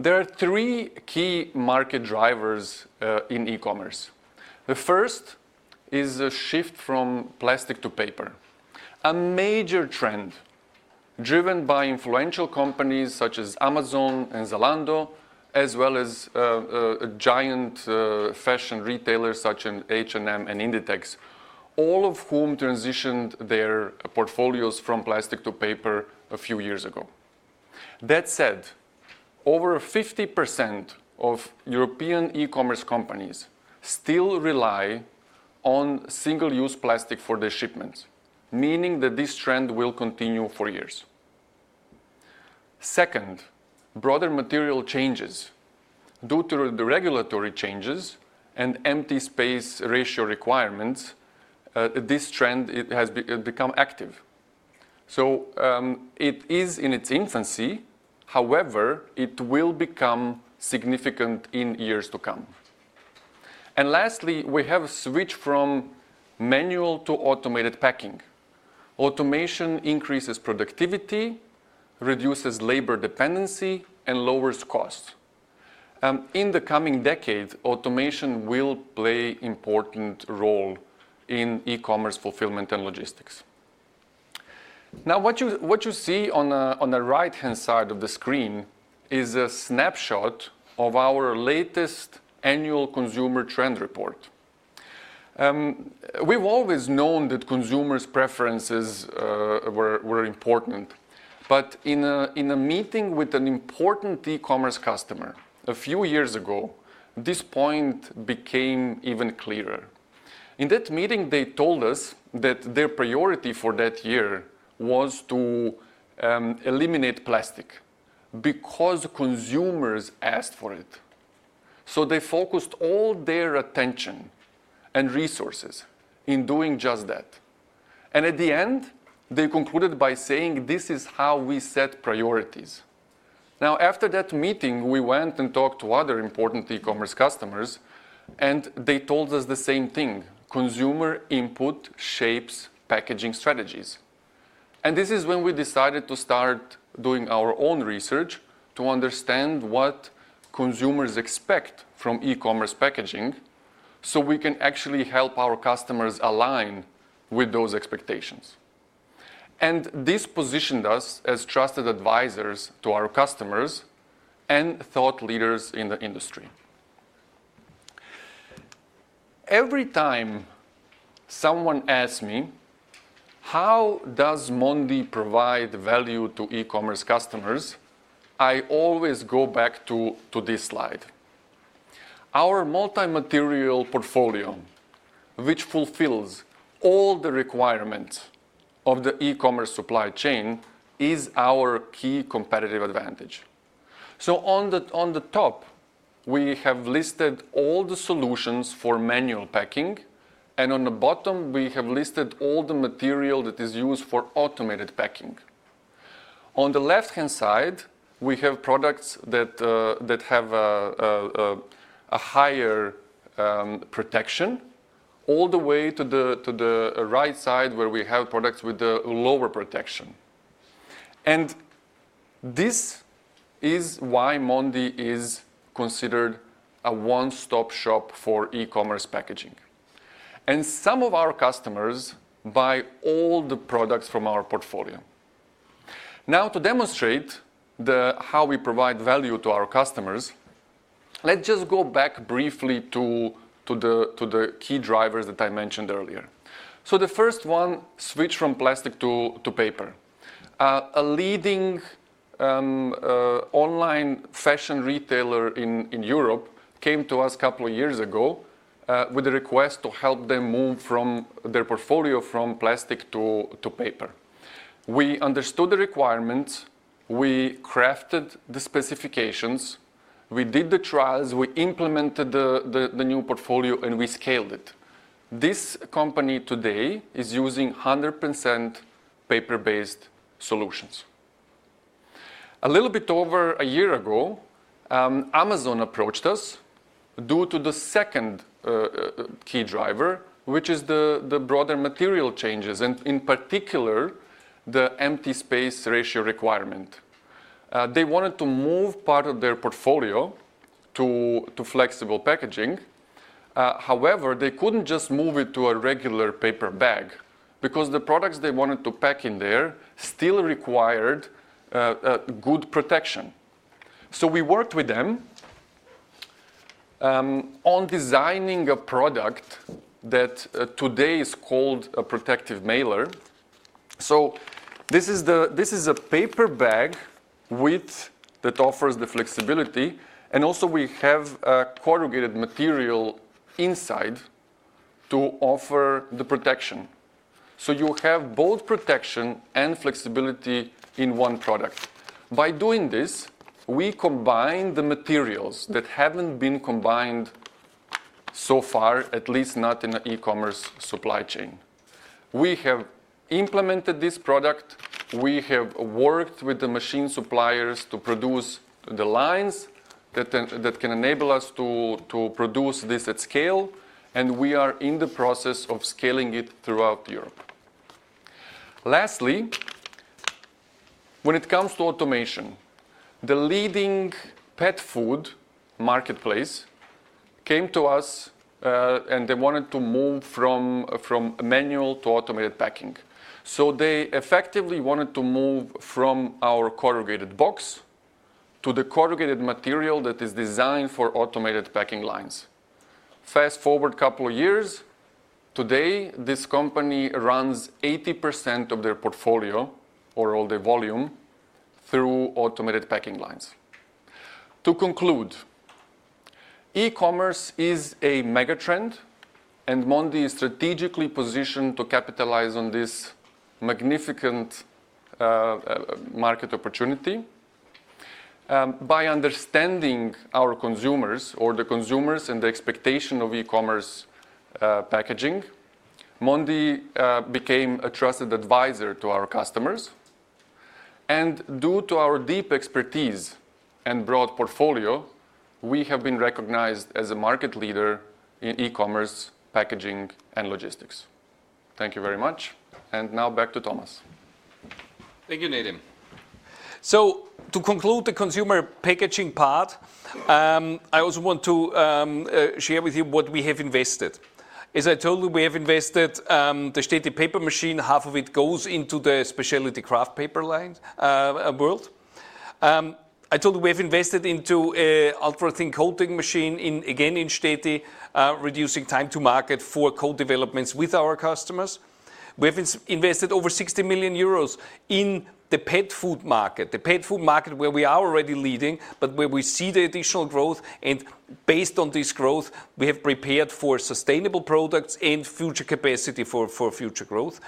There are three key market drivers in e-commerce. The first is a shift from plastic to paper, a major trend driven by influential companies such as Amazon and Zalando, as well as a giant fashion retailer such as H&M and Inditex, all of whom transitioned their portfolios from plastic to paper a few years ago. That said, over 50% of European e-commerce companies still rely on single-use plastic for their shipments, meaning that this trend will continue for years. Second, broader material changes. Due to the regulatory changes and empty space ratio requirements, this trend has become active. It is in its infancy. However, it will become significant in years to come. Lastly, we have a switch from manual to automated packing. Automation increases productivity, reduces labor dependency, and lowers costs. In the coming decade, automation will play an important role in e-commerce fulfillment and logistics. Now, what you see on the right-hand side of the screen is a snapshot of our latest annual consumer trend report. We've always known that consumers' preferences were important. In a meeting with an important e-commerce customer a few years ago, this point became even clearer. In that meeting, they told us that their priority for that year was to eliminate plastic because consumers asked for it. They focused all their attention and resources in doing just that. At the end, they concluded by saying, "This is how we set priorities." After that meeting, we went and talked to other important e-commerce customers, and they told us the same thing. Consumer input shapes packaging strategies. This is when we decided to start doing our own research to understand what consumers expect from e-commerce packaging so we can actually help our customers align with those expectations. This positioned us as trusted advisors to our customers and thought leaders in the industry. Every time someone asks me, "How does Mondi provide value to e-commerce customers?" I always go back to this slide. Our multi-material portfolio, which fulfills all the requirements of the e-commerce supply chain, is our key competitive advantage. On the top, we have listed all the solutions for manual packing, and on the bottom, we have listed all the material that is used for automated packing. On the left-hand side, we have products that have a higher protection, all the way to the right side where we have products with lower protection. This is why Mondi is considered a one-stop shop for e-commerce packaging. Some of our customers buy all the products from our portfolio. Now, to demonstrate how we provide value to our customers, let's just go back briefly to the key drivers that I mentioned earlier. The first one, switch from plastic to paper. A leading online fashion retailer in Europe came to us a couple of years ago with a request to help them move their portfolio from plastic to paper. We understood the requirements. We crafted the specifications. We did the trials. We implemented the new portfolio, and we scaled it. This company today is using 100% paper-based solutions. A little bit over a year ago, Amazon approached us due to the second key driver, which is the broader material changes, and in particular, the empty space ratio requirement. They wanted to move part of their portfolio to Flexible Packaging. However, they couldn't just move it to a regular paper bag because the products they wanted to pack in there still required good protection. We worked with them on designing a product that today is called a protective mailer. This is a paper bag that offers the flexibility, and also we have a corrugated material inside to offer the protection. You have both protection and flexibility in one product. By doing this, we combined the materials that haven't been combined so far, at least not in an e-commerce supply chain. We have implemented this product. We have worked with the machine suppliers to produce the lines that can enable us to produce this at scale, and we are in the process of scaling it throughout Europe. Lastly, when it comes to automation, the leading pet food marketplace came to us, and they wanted to move from manual to automated packing. They effectively wanted to move from our corrugated box to the corrugated material that is designed for automated packing lines. Fast forward a couple of years. Today, this company runs 80% of their portfolio or all the volume through automated packing lines. To conclude, e-commerce is a megatrend, and Mondi is strategically positioned to capitalize on this magnificent market opportunity. By understanding our consumers or the consumers and the expectation of e-commerce packaging, Mondi became a trusted advisor to our customers. Due to our deep expertise and broad portfolio, we have been recognized as a market leader in e-commerce packaging and logistics. Thank you very much. Now back to Thomas. Thank you, Nedim. To conclude the consumer packaging part, I also want to share with you what we have invested. As I told you, we have invested in the Štětí paper machine. Half of it goes into the specialty kraft paper line world. I told you we have invested in an ultra-thin coating machine, again, in Štětí, reducing time to market for co-developments with our customers. We have invested over 60 million euros in the pet food market, the pet food market where we are already leading, but where we see additional growth. Based on this growth, we have prepared for sustainable products and future capacity for future growth.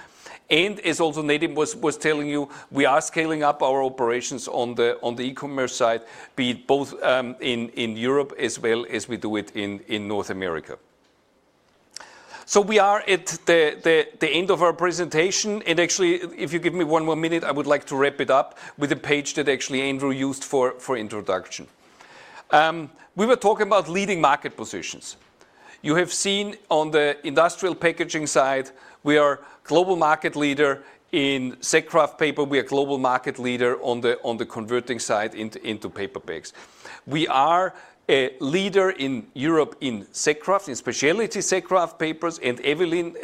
As Nedim was telling you, we are scaling up our operations on the e-commerce side, both in Europe as well as in North America. We are at the end of our presentation. Actually, if you give me one more minute, I would like to wrap it up with a page that Andrew actually used for introduction. We were talking about leading market positions. You have seen on the industrial packaging side, we are a global market leader in sack kraft paper. We are a global market leader on the converting side into paper bags. We are a leader in Europe in sack kraft, in specialty sack kraft papers. Eveline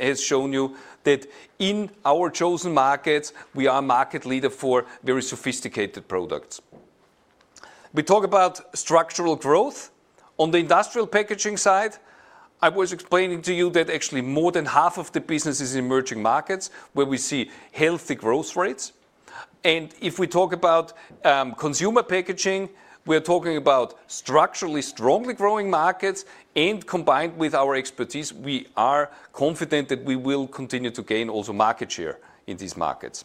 has shown you that in our chosen markets, we are a market leader for very sophisticated products. We talk about structural growth. On the industrial packaging side, I was explaining to you that actually more than half of the business is in emerging markets where we see healthy growth rates. If we talk about consumer packaging, we are talking about structurally strongly growing markets. Combined with our expertise, we are confident that we will continue to gain also market share in these markets.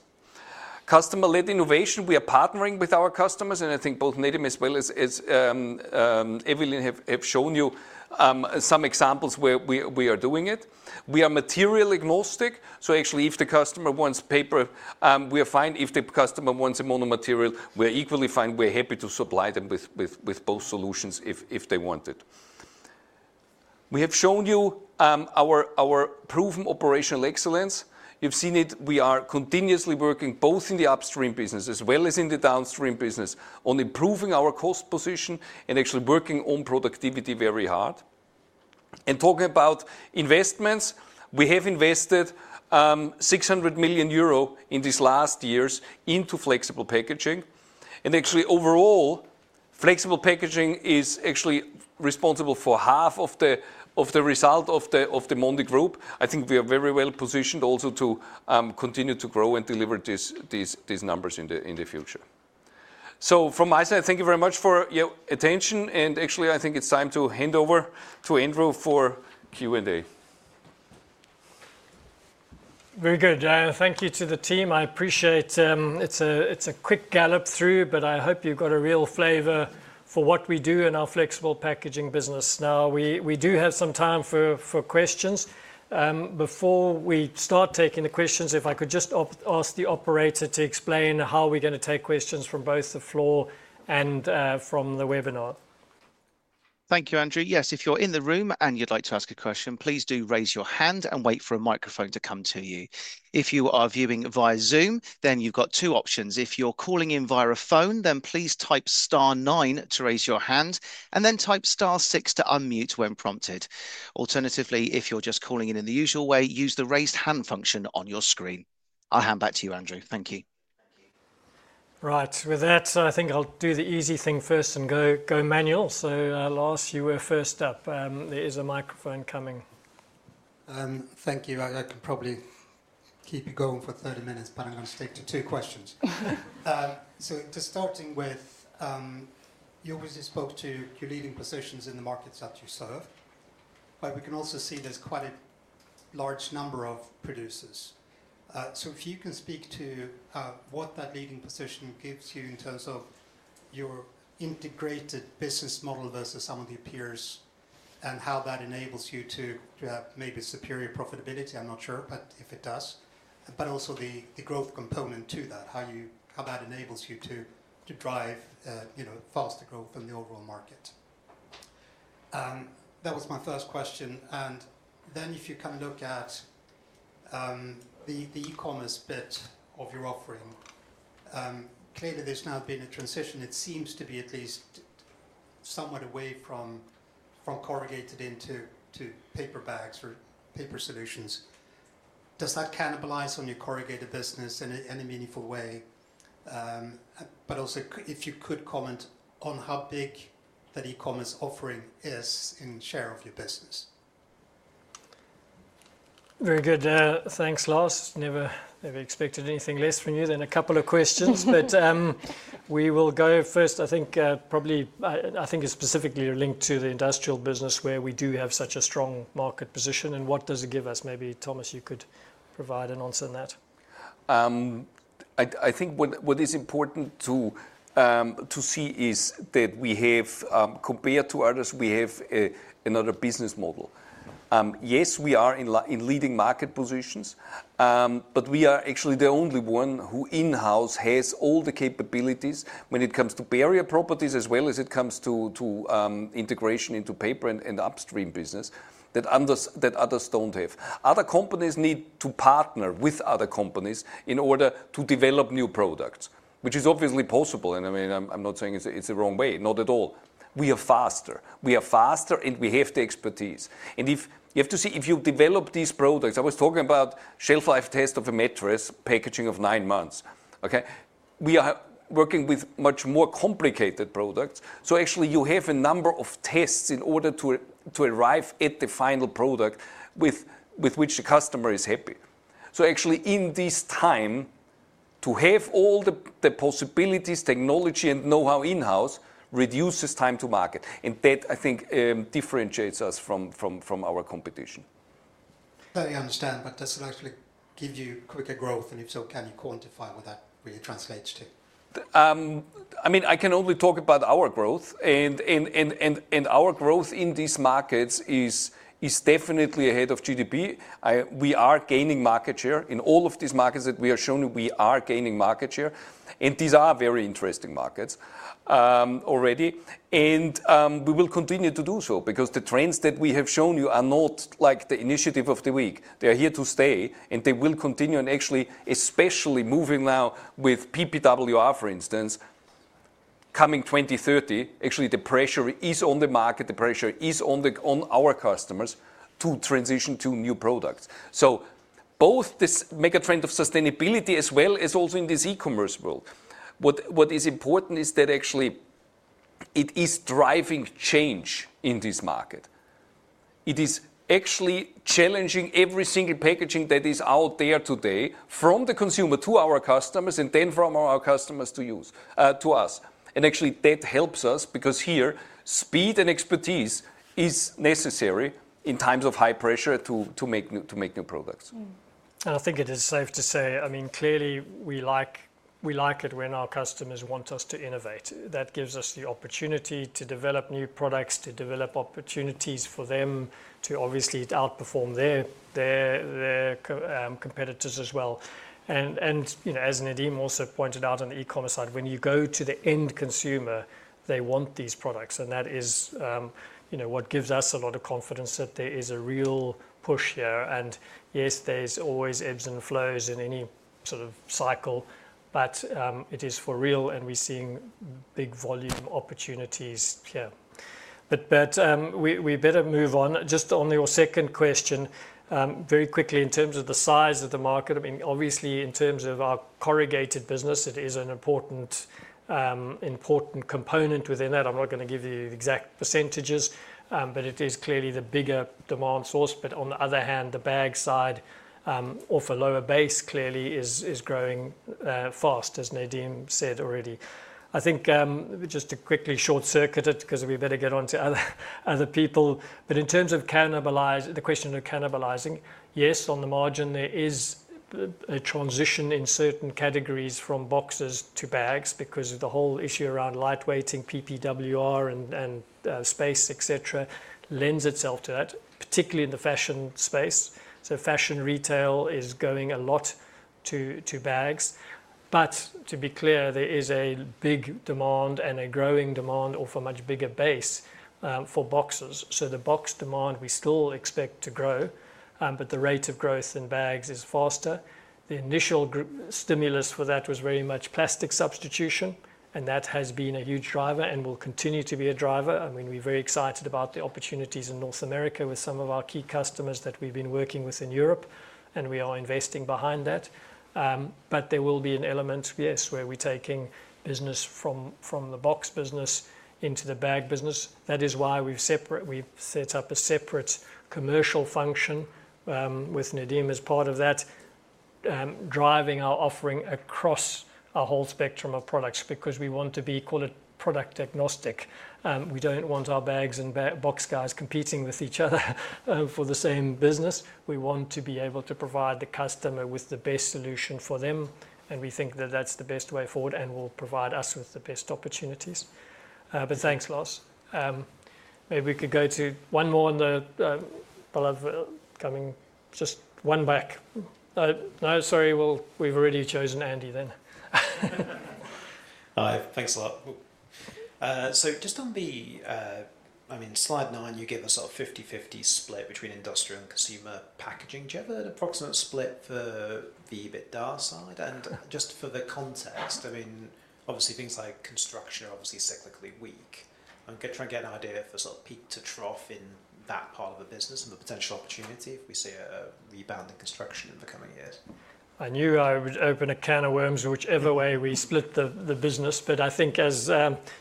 Customer-led innovation, we are partnering with our customers. I think both Nedim as well as Eveline have shown you some examples where we are doing it. We are material agnostic. Actually, if the customer wants paper, we are fine. If the customer wants a mono material, we are equally fine. We are happy to supply them with both solutions if they want it. We have shown you our proven operational excellence. You have seen it. We are continuously working both in the upstream business as well as in the downstream business on improving our cost position and actually working on productivity very hard. Talking about investments, we have invested 600 million euro in these last years into Flexible Packaging. Actually, overall, Flexible Packaging is actually responsible for half of the result of the Mondi group. I think we are very well positioned also to continue to grow and deliver these numbers in the future. From my side, thank you very much for your attention. Actually, I think it is time to hand over to Andrew for Q&A. Very good. Thank you to the team. I appreciate it's a quick gallop through, but I hope you got a real flavor for what we do in our Flexible Packaging business. Now, we do have some time for questions. Before we start taking the questions, if I could just ask the operator to explain how we're going to take questions from both the floor and from the webinar. Thank you, Andrew. Yes, if you're in the room and you'd like to ask a question, please do raise your hand and wait for a microphone to come to you. If you are viewing via Zoom, then you've got two options. If you're calling in via a phone, then please type star nine to raise your hand and then type star six to unmute when prompted. Alternatively, if you're just calling in in the usual way, use the raised hand function on your screen. I'll hand back to you, Andrew. Thank you. Right. With that, I think I'll do the easy thing first and go manual. So I'll ask you first up. There is a microphone coming. Thank you. I can probably keep you going for 30 minutes, but I'm going to stick to two questions. Just starting with, you obviously spoke to your leading positions in the markets that you serve, but we can also see there's quite a large number of producers. If you can speak to what that leading position gives you in terms of your integrated business model versus some of your peers and how that enables you to have maybe superior profitability, I'm not sure if it does, but also the growth component to that, how that enables you to drive faster growth in the overall market. That was my first question. If you kind of look at the e-commerce bit of your offering, clearly there's now been a transition. It seems to be at least somewhat away from corrugated into paper bags or paper solutions. Does that cannibalize on your Corrugated business in any meaningful way? If you could comment on how big that e-commerce offering is in share of your business. Very good. Thanks, [Lars]. Never expected anything less from you than a couple of questions, but we will go first. I think probably I think it's specifically linked to the industrial business where we do have such a strong market position. And what does it give us? Maybe Thomas, you could provide an answer on that. I think what is important to see is that we have, compared to others, we have another business model. Yes, we are in leading market positions, but we are actually the only one who in-house has all the capabilities when it comes to barrier properties as well as it comes to integration into paper and upstream business that others do not have. Other companies need to partner with other companies in order to develop new products, which is obviously possible. I mean, I am not saying it is the wrong way, not at all. We are faster. We are faster, and we have the expertise. You have to see if you develop these products, I was talking about shelf life test of a mattress packaging of nine months. Okay. We are working with much more complicated products. Actually, you have a number of tests in order to arrive at the final product with which the customer is happy. Actually, in this time, to have all the possibilities, technology, and know-how in-house reduces time to market. That, I think, differentiates us from our competition. I totally understand, but does it actually give you quicker growth? If so, can you quantify what that really translates to? I mean, I can only talk about our growth. And our growth in these markets is definitely ahead of GDP. We are gaining market share in all of these markets that we are showing you. We are gaining market share. These are very interesting markets already. We will continue to do so because the trends that we have shown you are not like the initiative of the week. They are here to stay, and they will continue. Actually, especially moving now with PPWR, for instance, coming 2030, the pressure is on the market. The pressure is on our customers to transition to new products. Both this mega trend of sustainability as well as also in this e-commerce world, what is important is that actually it is driving change in this market. It is actually challenging every single packaging that is out there today from the consumer to our customers and then from our customers to us. Actually, that helps us because here, speed and expertise is necessary in times of high pressure to make new products. I think it is safe to say, I mean, clearly we like it when our customers want us to innovate. That gives us the opportunity to develop new products, to develop opportunities for them to obviously outperform their competitors as well. As Nedim also pointed out on the e-commerce side, when you go to the end consumer, they want these products. That is what gives us a lot of confidence that there is a real push here. Yes, there are always ebbs and flows in any sort of cycle, but it is for real, and we are seeing big volume opportunities here. We better move on. Just on your second question, very quickly, in terms of the size of the market, I mean, obviously, in terms of our Corrugated business, it is an important component within that. I'm not going to give you exact percentages, but it is clearly the bigger demand source. On the other hand, the bag side off a lower base clearly is growing fast, as Nedim said already. I think just to quickly short-circuit it because we better get on to other people, but in terms of the question of cannibalizing, yes, on the margin, there is a transition in certain categories from boxes to bags because of the whole issue around lightweighting, PPWR, and space, etc., lends itself to that, particularly in the fashion space. Fashion retail is going a lot to bags. To be clear, there is a big demand and a growing demand off a much bigger base for boxes. The box demand, we still expect to grow, but the rate of growth in bags is faster. The initial stimulus for that was very much plastic substitution, and that has been a huge driver and will continue to be a driver. I mean, we're very excited about the opportunities in North America with some of our key customers that we've been working with in Europe, and we are investing behind that. There will be an element, yes, where we're taking business from the box business into the bag business. That is why we've set up a separate commercial function with Nedim as part of that, driving our offering across our whole spectrum of products because we want to be product agnostic. We don't want our bags and box guys competing with each other for the same business. We want to be able to provide the customer with the best solution for them. We think that that's the best way forward and will provide us with the best opportunities. Thanks, [Lars]. Maybe we could go to one more on the coming, just one back. No, sorry, we've already chosen [Andy] then. Hi, thanks a lot. Just on the, I mean, slide nine, you give a sort of 50/50 split between industrial and consumer packaging. Do you have an approximate split for the bid-ask side? Just for the context, I mean, obviously, things like construction are obviously cyclically weak. I'm trying to get an idea for sort of peak to trough in that part of the business and the potential opportunity if we see a rebound in construction in the coming years. I knew I would open a can of worms whichever way we split the business. I think, as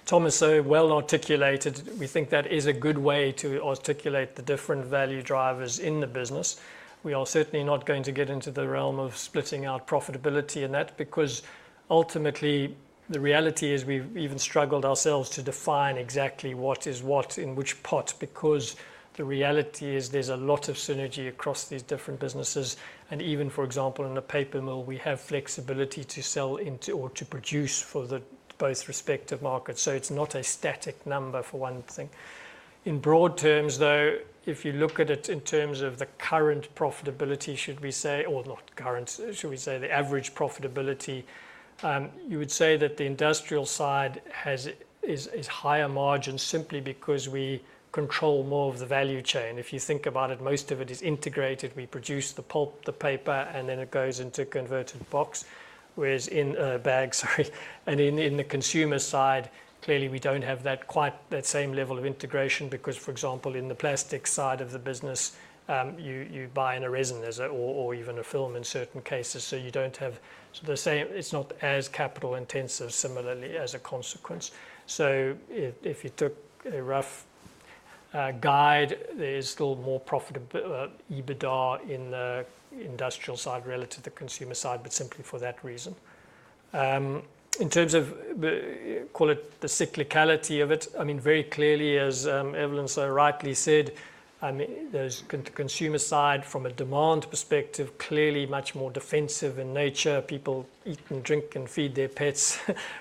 Thomas so well articulated, we think that is a good way to articulate the different value drivers in the business. We are certainly not going to get into the realm of splitting out profitability in that because ultimately, the reality is we've even struggled ourselves to define exactly what is what in which pot because the reality is there's a lot of synergy across these different businesses. Even, for example, in the paper mill, we have flexibility to sell into or to produce for both respective markets. It is not a static number for one thing. In broad terms, though, if you look at it in terms of the current profitability, should we say, or not current, should we say the average profitability, you would say that the industrial side has higher margins simply because we control more of the value chain. If you think about it, most of it is integrated. We produce the pulp, the paper, and then it goes into converted box or in a bag, sorry. In the consumer side, clearly, we do not have that same level of integration because, for example, in the plastic side of the business, you buy in a resin or even a film in certain cases. You do not have the same. It is not as capital-intensive, similarly, as a consequence. If you took a rough guide, there is still more profitability in the industrial side relative to the consumer side, but simply for that reason. In terms of, call it, the cyclicality of it, I mean, very clearly, as Eveline so rightly said, there's the consumer side from a demand perspective, clearly much more defensive in nature. People eat and drink and feed their pets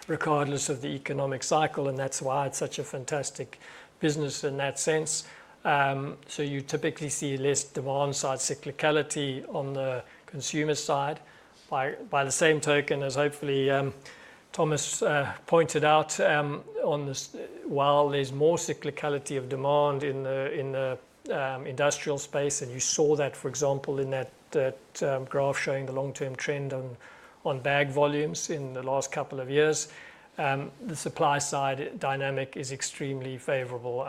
regardless of the economic cycle. That's why it's such a fantastic business in that sense. You typically see less demand side cyclicality on the consumer side. By the same token, as hopefully Thomas pointed out, while there's more cyclicality of demand in the industrial space, and you saw that, for example, in that graph showing the long-term trend on bag volumes in the last couple of years, the supply side dynamic is extremely favorable.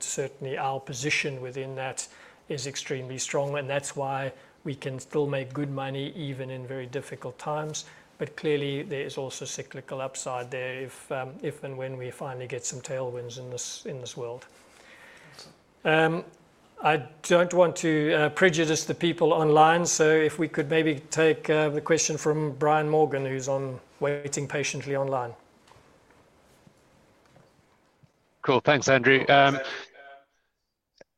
Certainly, our position within that is extremely strong. That's why we can still make good money even in very difficult times. Clearly, there is also cyclical upside there if and when we finally get some tailwinds in this world. I do not want to prejudice the people online. If we could maybe take the question from [Brian Morgan], who is waiting patiently online. Cool. Thanks, Andrew.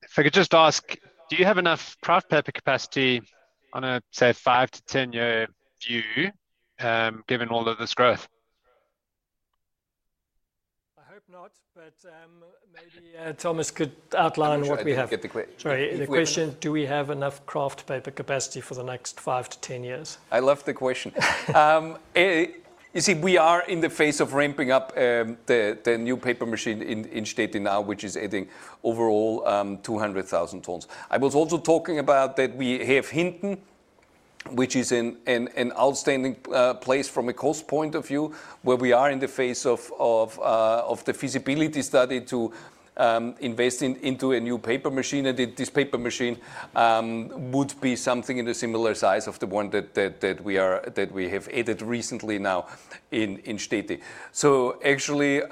If I could just ask, do you have enough kraft paper capacity on a, say, 5 to 10 year-view given all of this growth? I hope not, but maybe Thomas could outline what we have. Sorry, the question, do we have enough kraft paper capacity for the next 5 to 10 years? I love the question. You see, we are in the phase of ramping up the new paper machine in Štětí now, which is adding overall 200,000 tons. I was also talking about that we have Hinton, which is an outstanding place from a cost point of view, where we are in the phase of the feasibility study to invest into a new paper machine. This paper machine would be something in the similar size of the one that we have added recently now in Štětí. Actually,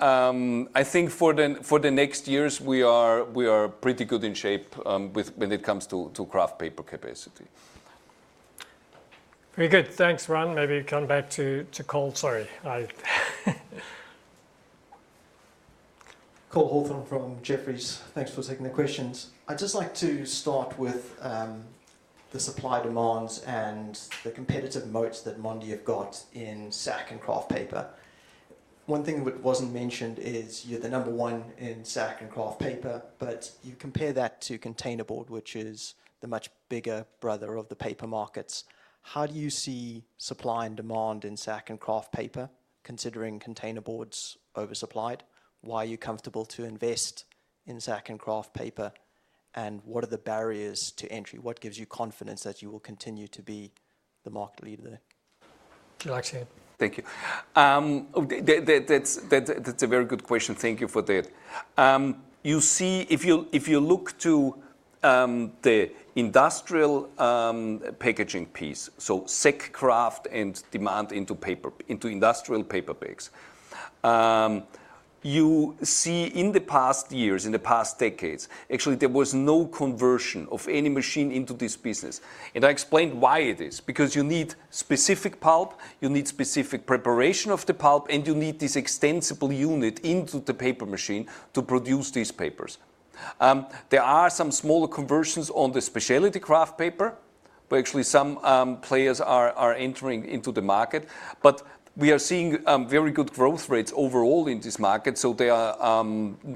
I think for the next years, we are pretty good in shape when it comes to kraft paper capacity. Very good. Thanks, Run. Maybe come back to Cole. Sorry. Cole Hathorn from Jefferies. Thanks for taking the questions. I'd just like to start with the supply demands and the competitive moats that Mondi have got in sack and kraft paper. One thing that wasn't mentioned is you're the number one in sack and kraft paper, but you compare that to containerboard, which is the much bigger brother of the paper markets. How do you see supply and demand in sack and kraft paper, considering containerboard is oversupplied? Why are you comfortable to invest in sack and kraft paper? And what are the barriers to entry? What gives you confidence that you will continue to be the market leader there? Would you like to add? Thank you. That's a very good question. Thank you for that. You see, if you look to the industrial packaging piece, so sack kraft and demand into industrial paper bags, you see in the past years, in the past decades, actually, there was no conversion of any machine into this business. I explained why it is because you need specific pulp, you need specific preparation of the pulp, and you need this extensible unit into the paper machine to produce these papers. There are some smaller conversions on the specialty kraft paper, but actually, some players are entering into the market. We are seeing very good growth rates overall in this market. They are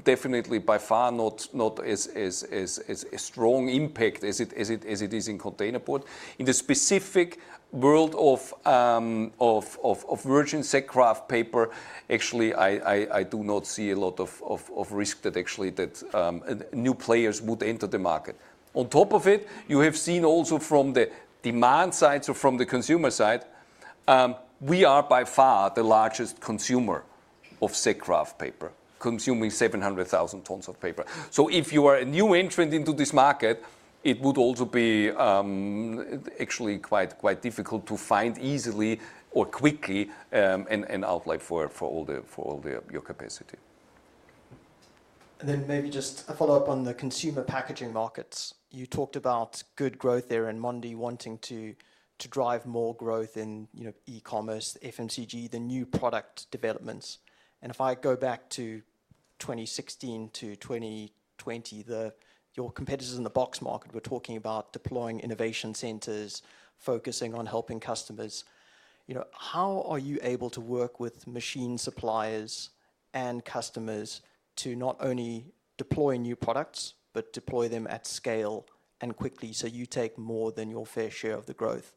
definitely by far not as strong impact as it is in containerboard. In the specific world of virgin sack kraft paper, actually, I do not see a lot of risk that actually new players would enter the market. On top of it, you have seen also from the demand side or from the consumer side, we are by far the largest consumer of sack kraft paper, consuming 700,000 tons of paper. If you are a new entrant into this market, it would also be actually quite difficult to find easily or quickly an outlet for all your capacity. Maybe just a follow-up on the consumer packaging markets. You talked about good growth there and Mondi wanting to drive more growth in e-commerce, FMCG, the new product developments. If I go back to 2016 to 2020, your competitors in the box market were talking about deploying innovation centers, focusing on helping customers. How are you able to work with machine suppliers and customers to not only deploy new products, but deploy them at scale and quickly so you take more than your fair share of the growth?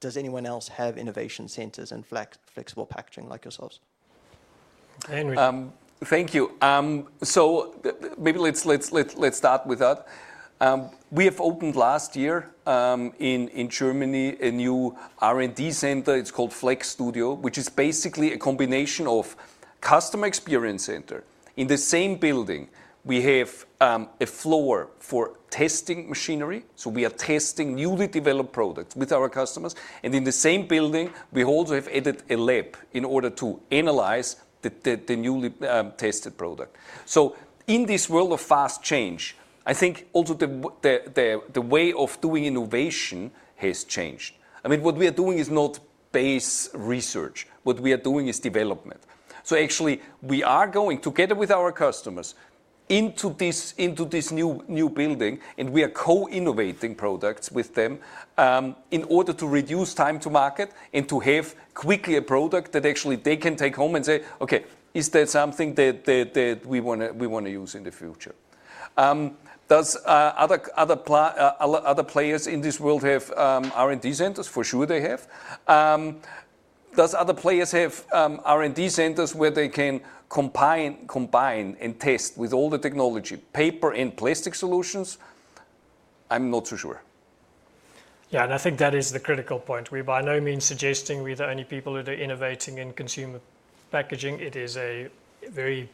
Does anyone else have innovation centers in Flexible Packaging like yourselves? Thank you. Maybe let's start with that. We have opened last year in Germany, a new R&D center. It's called FlexStudios, which is basically a combination of customer experience center. In the same building, we have a floor for testing machinery. We are testing newly developed products with our customers. In the same building, we also have added a lab in order to analyze the newly tested product. In this world of fast change, I think also the way of doing innovation has changed. I mean, what we are doing is not base research. What we are doing is development. Actually, we are going together with our customers into this new building, and we are co-innovating products with them in order to reduce time to market and to have quickly a product that actually they can take home and say, "Okay, is that something that we want to use in the future?" Does other players in this world have R&D centers? For sure, they have. Does other players have R&D centers where they can combine and test with all the technology, paper and plastic solutions? I'm not so sure. Yeah, and I think that is the critical point. We're by no means suggesting we're the only people who are innovating in consumer packaging. It is a very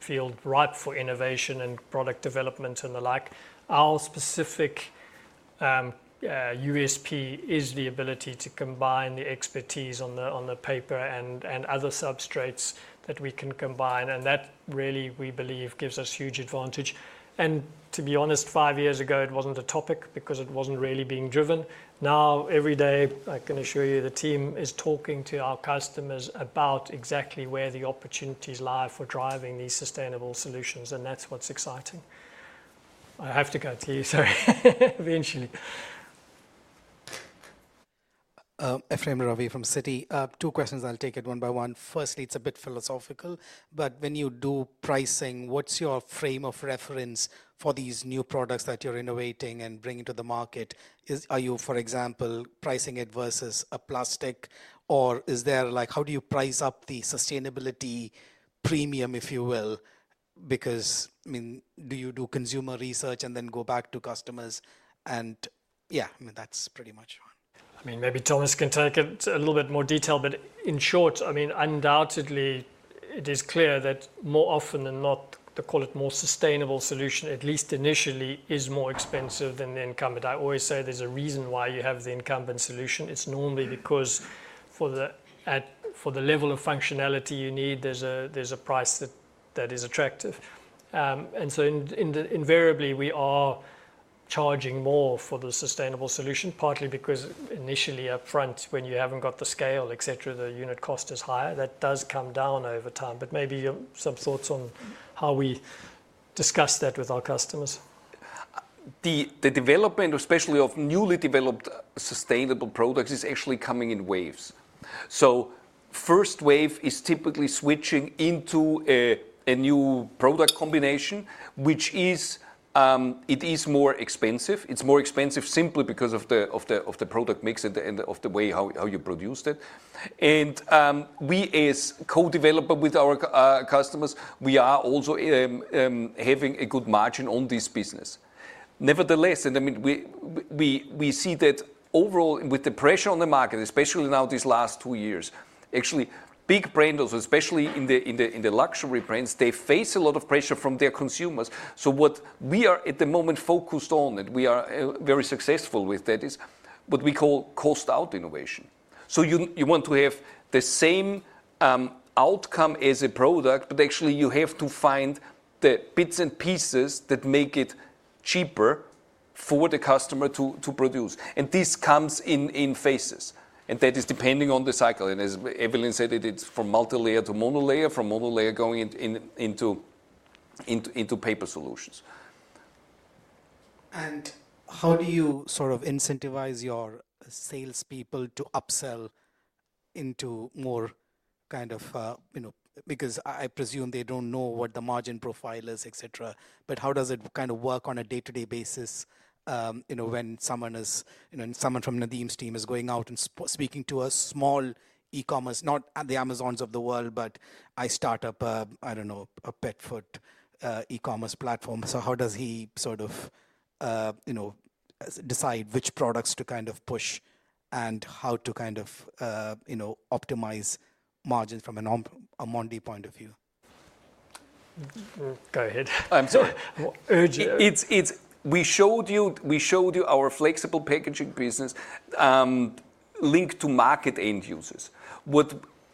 field ripe for innovation and product development and the like. Our specific USP is the ability to combine the expertise on the paper and other substrates that we can combine. That really, we believe, gives us huge advantage. To be honest, five years ago, it was not a topic because it was not really being driven. Now, every day, I can assure you, the team is talking to our customers about exactly where the opportunities lie for driving these sustainable solutions. That is what is exciting. I have to go to you, sorry, eventually. Ephrem Ravi from Citi. Two questions. I'll take it one by one. Firstly, it's a bit philosophical. When you do pricing, what's your frame of reference for these new products that you're innovating and bringing to the market? Are you, for example, pricing it versus a plastic? How do you price up the sustainability premium, if you will? I mean, do you do consumer research and then go back to customers? Yeah, I mean, that's pretty much one. I mean, maybe Thomas can take it a little bit more detail. In short, I mean, undoubtedly, it is clear that more often than not, they call it more sustainable solution, at least initially, is more expensive than the incumbent. I always say there's a reason why you have the incumbent solution. It's normally because for the level of functionality you need, there's a price that is attractive. Invariably, we are charging more for the sustainable solution, partly because initially, upfront, when you haven't got the scale, et cetera, the unit cost is higher. That does come down over time. Maybe some thoughts on how we discuss that with our customers. The development, especially of newly developed sustainable products, is actually coming in waves. The first wave is typically switching into a new product combination, which is more expensive. It is more expensive simply because of the product mix and of the way how you produce it. And we, as co-developer with our customers, we are also having a good margin on this business. Nevertheless, I mean, we see that overall with the pressure on the market, especially now these last two years, actually, big brands, especially in the luxury brands, they face a lot of pressure from their consumers. What we are at the moment focused on, and we are very successful with that, is what we call cost-out innovation. You want to have the same outcome as a product, but actually, you have to find the bits and pieces that make it cheaper for the customer to produce. This comes in phases. That is depending on the cycle. As Eveline said, it is from multilayer to monolayer, from monolayer going into paper solutions. How do you sort of incentivize your salespeople to upsell into more kind of, because I presume they do not know what the margin profile is, et cetera. How does it kind of work on a day-to-day basis when someone from Nedim's team is going out and speaking to a small e-commerce, not the Amazons of the world, but I start up, I do not know, a Petford e-commerce platform. How does he sort of decide which products to kind of push and how to kind of optimize margins from a Mondi point of view? Go ahead. I'm sorry to urge you. We showed you our Flexible Packaging business linked to market end users.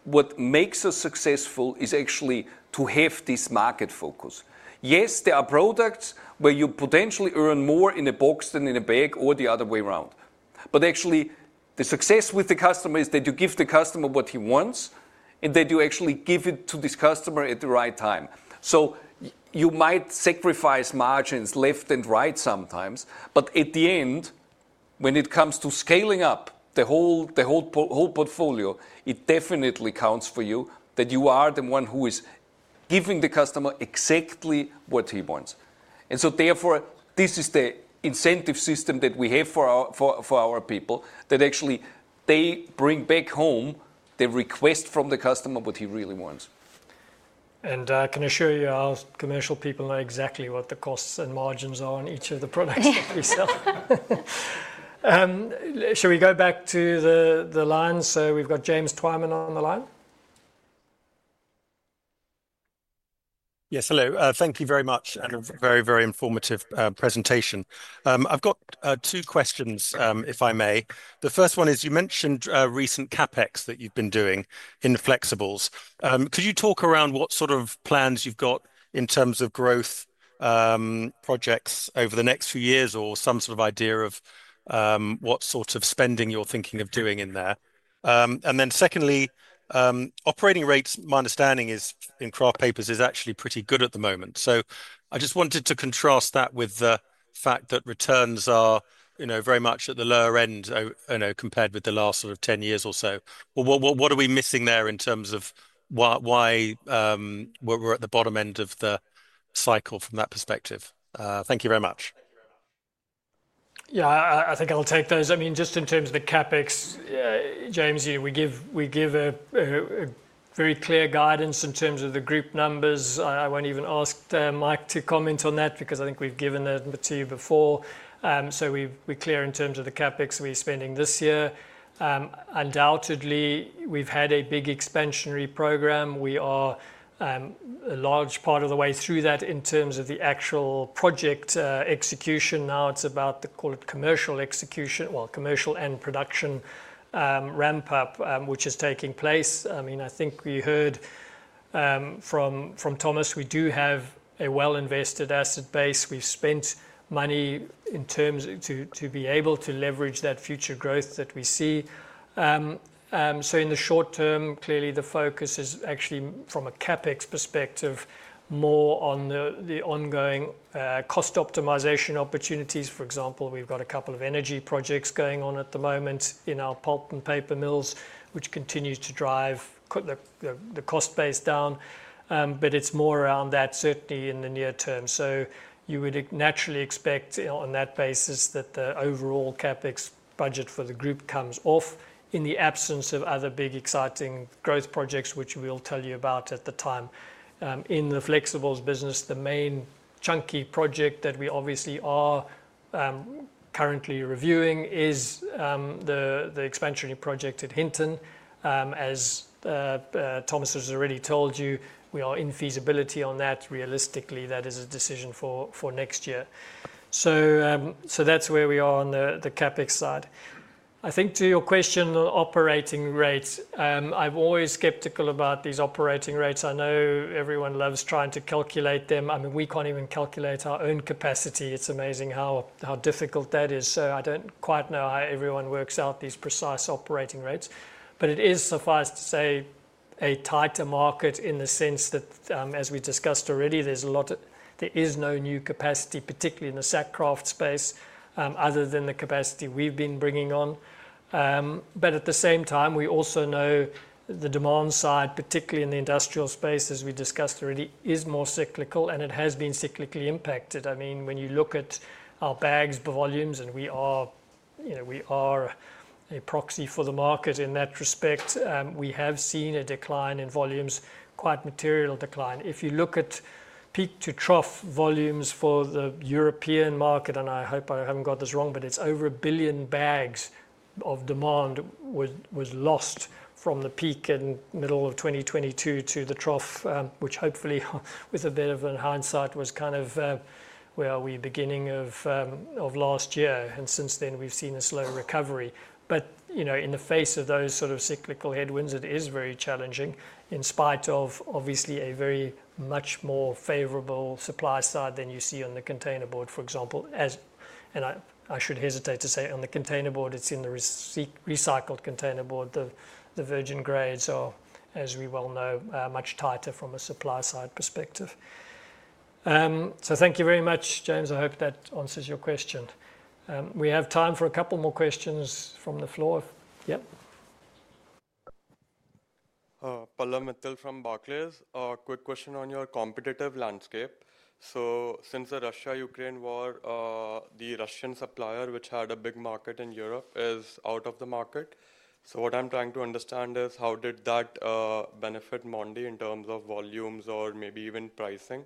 What makes us successful is actually to have this market focus. Yes, there are products where you potentially earn more in a box than in a bag or the other way around. Actually, the success with the customer is that you give the customer what he wants and that you actually give it to this customer at the right time. You might sacrifice margins left and right sometimes. At the end, when it comes to scaling up the whole portfolio, it definitely counts for you that you are the one who is giving the customer exactly what he wants. Therefore, this is the incentive system that we have for our people that actually they bring back home the request from the customer, what he really wants. Can I assure you, our commercial people know exactly what the costs and margins are on each of the products that we sell. Should we go back to the line? We have [James Twyman] on the line. Yes, hello. Thank you very much and a very, very informative presentation. I've got two questions, if I may. The first one is you mentioned recent CapEx that you've been doing in Flexibles. Could you talk around what sort of plans you've got in terms of growth projects over the next few years or some sort of idea of what sort of spending you're thinking of doing in there? Secondly, operating rates, my understanding is in kraft papers, is actually pretty good at the moment. I just wanted to contrast that with the fact that returns are very much at the lower end compared with the last sort of 10 years or so. What are we missing there in terms of why we're at the bottom end of the cycle from that perspective? Thank you very much. Yeah, I think I'll take those. I mean, just in terms of the CapEx, James, we give a very clear guidance in terms of the group numbers. I won't even ask Mike to comment on that because I think we've given that to you before. We are clear in terms of the CapEx we're spending this year. Undoubtedly, we've had a big expansionary program. We are a large part of the way through that in terms of the actual project execution. Now it's about the, call it commercial execution, well, commercial and production ramp-up, which is taking place. I mean, I think we heard from Thomas, we do have a well-invested asset base. We've spent money in terms to be able to leverage that future growth that we see. In the short term, clearly, the focus is actually from a CapEx perspective more on the ongoing cost optimization opportunities. For example, we've got a couple of energy projects going on at the moment in our pulp and paper mills, which continue to drive the cost base down. It is more around that, certainly in the near term. You would naturally expect on that basis that the overall CapEx budget for the group comes off in the absence of other big exciting growth projects, which we'll tell you about at the time. In the Flexibles business, the main chunky project that we obviously are currently reviewing is the expansionary project at Hinton. As Thomas has already told you, we are in feasibility on that. Realistically, that is a decision for next year. That is where we are on the CapEx side. I think to your question on operating rates, I'm always skeptical about these operating rates. I know everyone loves trying to calculate them. I mean, we can't even calculate our own capacity. It's amazing how difficult that is. I don't quite know how everyone works out these precise operating rates. It is suffice to say a tighter market in the sense that, as we discussed already, there is no new capacity, particularly in the sack kraft space, other than the capacity we've been bringing on. At the same time, we also know the demand side, particularly in the industrial space, as we discussed already, is more cyclical and it has been cyclically impacted. I mean, when you look at our bags volumes and we are a proxy for the market in that respect, we have seen a decline in volumes, quite material decline. If you look at peak to trough volumes for the European market, and I hope I haven't got this wrong, but it's over a billion bags of demand was lost from the peak in the middle of 2022 to the trough, which hopefully, with a bit of hindsight, was kind of, well, the beginning of last year. Since then, we've seen a slow recovery. In the face of those sort of cyclical headwinds, it is very challenging in spite of, obviously, a very much more favorable supply side than you see on the container board, for example. I should hesitate to say on the container board, it's in the recycled container board. The virgin grades are, as we well know, much tighter from a supply side perspective. Thank you very much, James. I hope that answers your question. We have time for a couple more questions from the floor. Yep. Quick question on your competitive landscape. Since the Russia-Ukraine war, the Russian supplier, which had a big market in Europe, is out of the market. What I am trying to understand is how did that benefit Mondi in terms of volumes or maybe even pricing?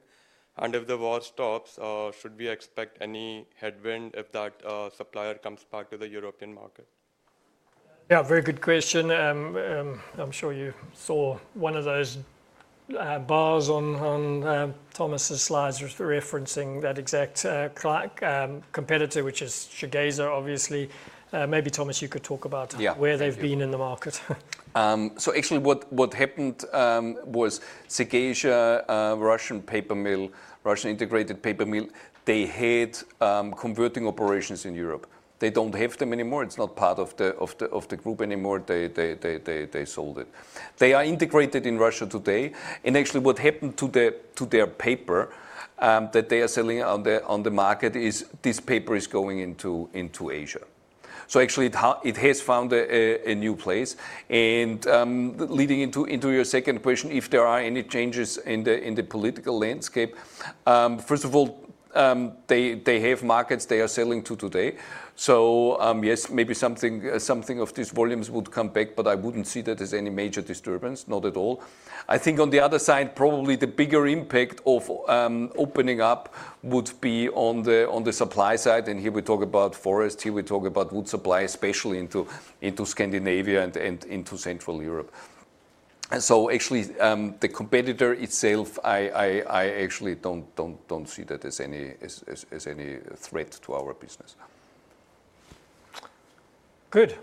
If the war stops, should we expect any headwind if that supplier comes back to the European market? Yeah, very good question. I'm sure you saw one of those bars on Thomas's slides referencing that exact competitor, which is Segezha, obviously. Maybe Thomas, you could talk about where they've been in the market. Actually, what happened was Segezha, Russian paper mill, Russian integrated paper mill, they had converting operations in Europe. They do not have them anymore. It is not part of the group anymore. They sold it. They are integrated in Russia today. Actually, what happened to their paper that they are selling on the market is this paper is going into Asia. It has found a new place. Leading into your second question, if there are any changes in the political landscape, first of all, they have markets they are selling to today. Yes, maybe something of these volumes would come back, but I would not see that as any major disturbance, not at all. I think on the other side, probably the bigger impact of opening up would be on the supply side. Here we talk about forests. Here we talk about wood supply, especially into Scandinavia and into Central Europe. Actually, the competitor itself, I actually don't see that as any threat to our business. Good.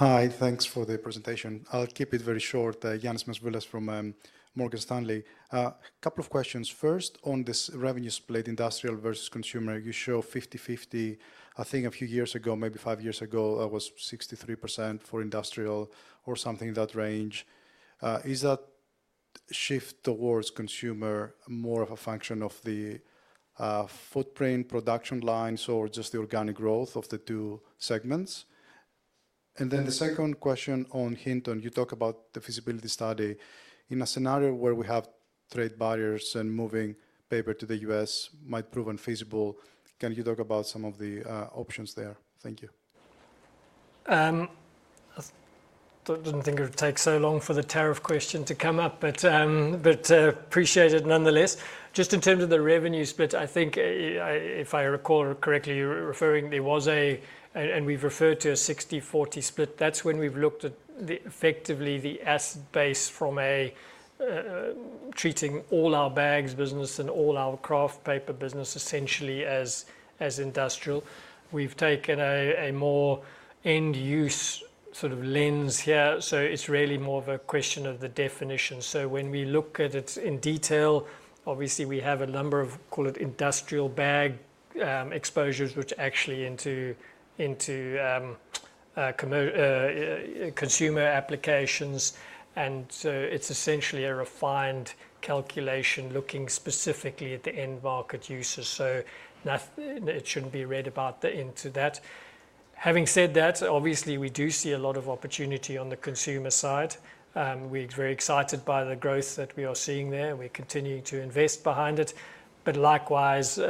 Hi, thanks for the presentation. I'll keep it very short. [Janis Masbulas] from Morgan Stanley. A couple of questions. First, on this revenue split, industrial versus consumer, you show 50/50. I think a few years ago, maybe five years ago, that was 63% for industrial or something in that range. Is that shift towards consumer more of a function of the footprint, production lines, or just the organic growth of the two segments? The second question on Hinton, you talk about the feasibility study. In a scenario where we have trade barriers and moving paper to the U.S. might prove unfeasible, can you talk about some of the options there? Thank you. I didn't think it would take so long for the tariff question to come up, but appreciate it nonetheless. Just in terms of the revenue split, I think if I recall correctly, you're referring there was a, and we've referred to a 60/40 split. That's when we've looked at effectively the asset base from treating all our bags business and all our kraft paper business essentially as industrial. We've taken a more end use sort of lens here. It is really more of a question of the definition. When we look at it in detail, obviously we have a number of, call it industrial bag exposures, which actually into consumer applications. It is essentially a refined calculation looking specifically at the end market users. It should not be read about into that. Having said that, obviously we do see a lot of opportunity on the consumer side. We are very excited by the growth that we are seeing there. We are continuing to invest behind it. Likewise,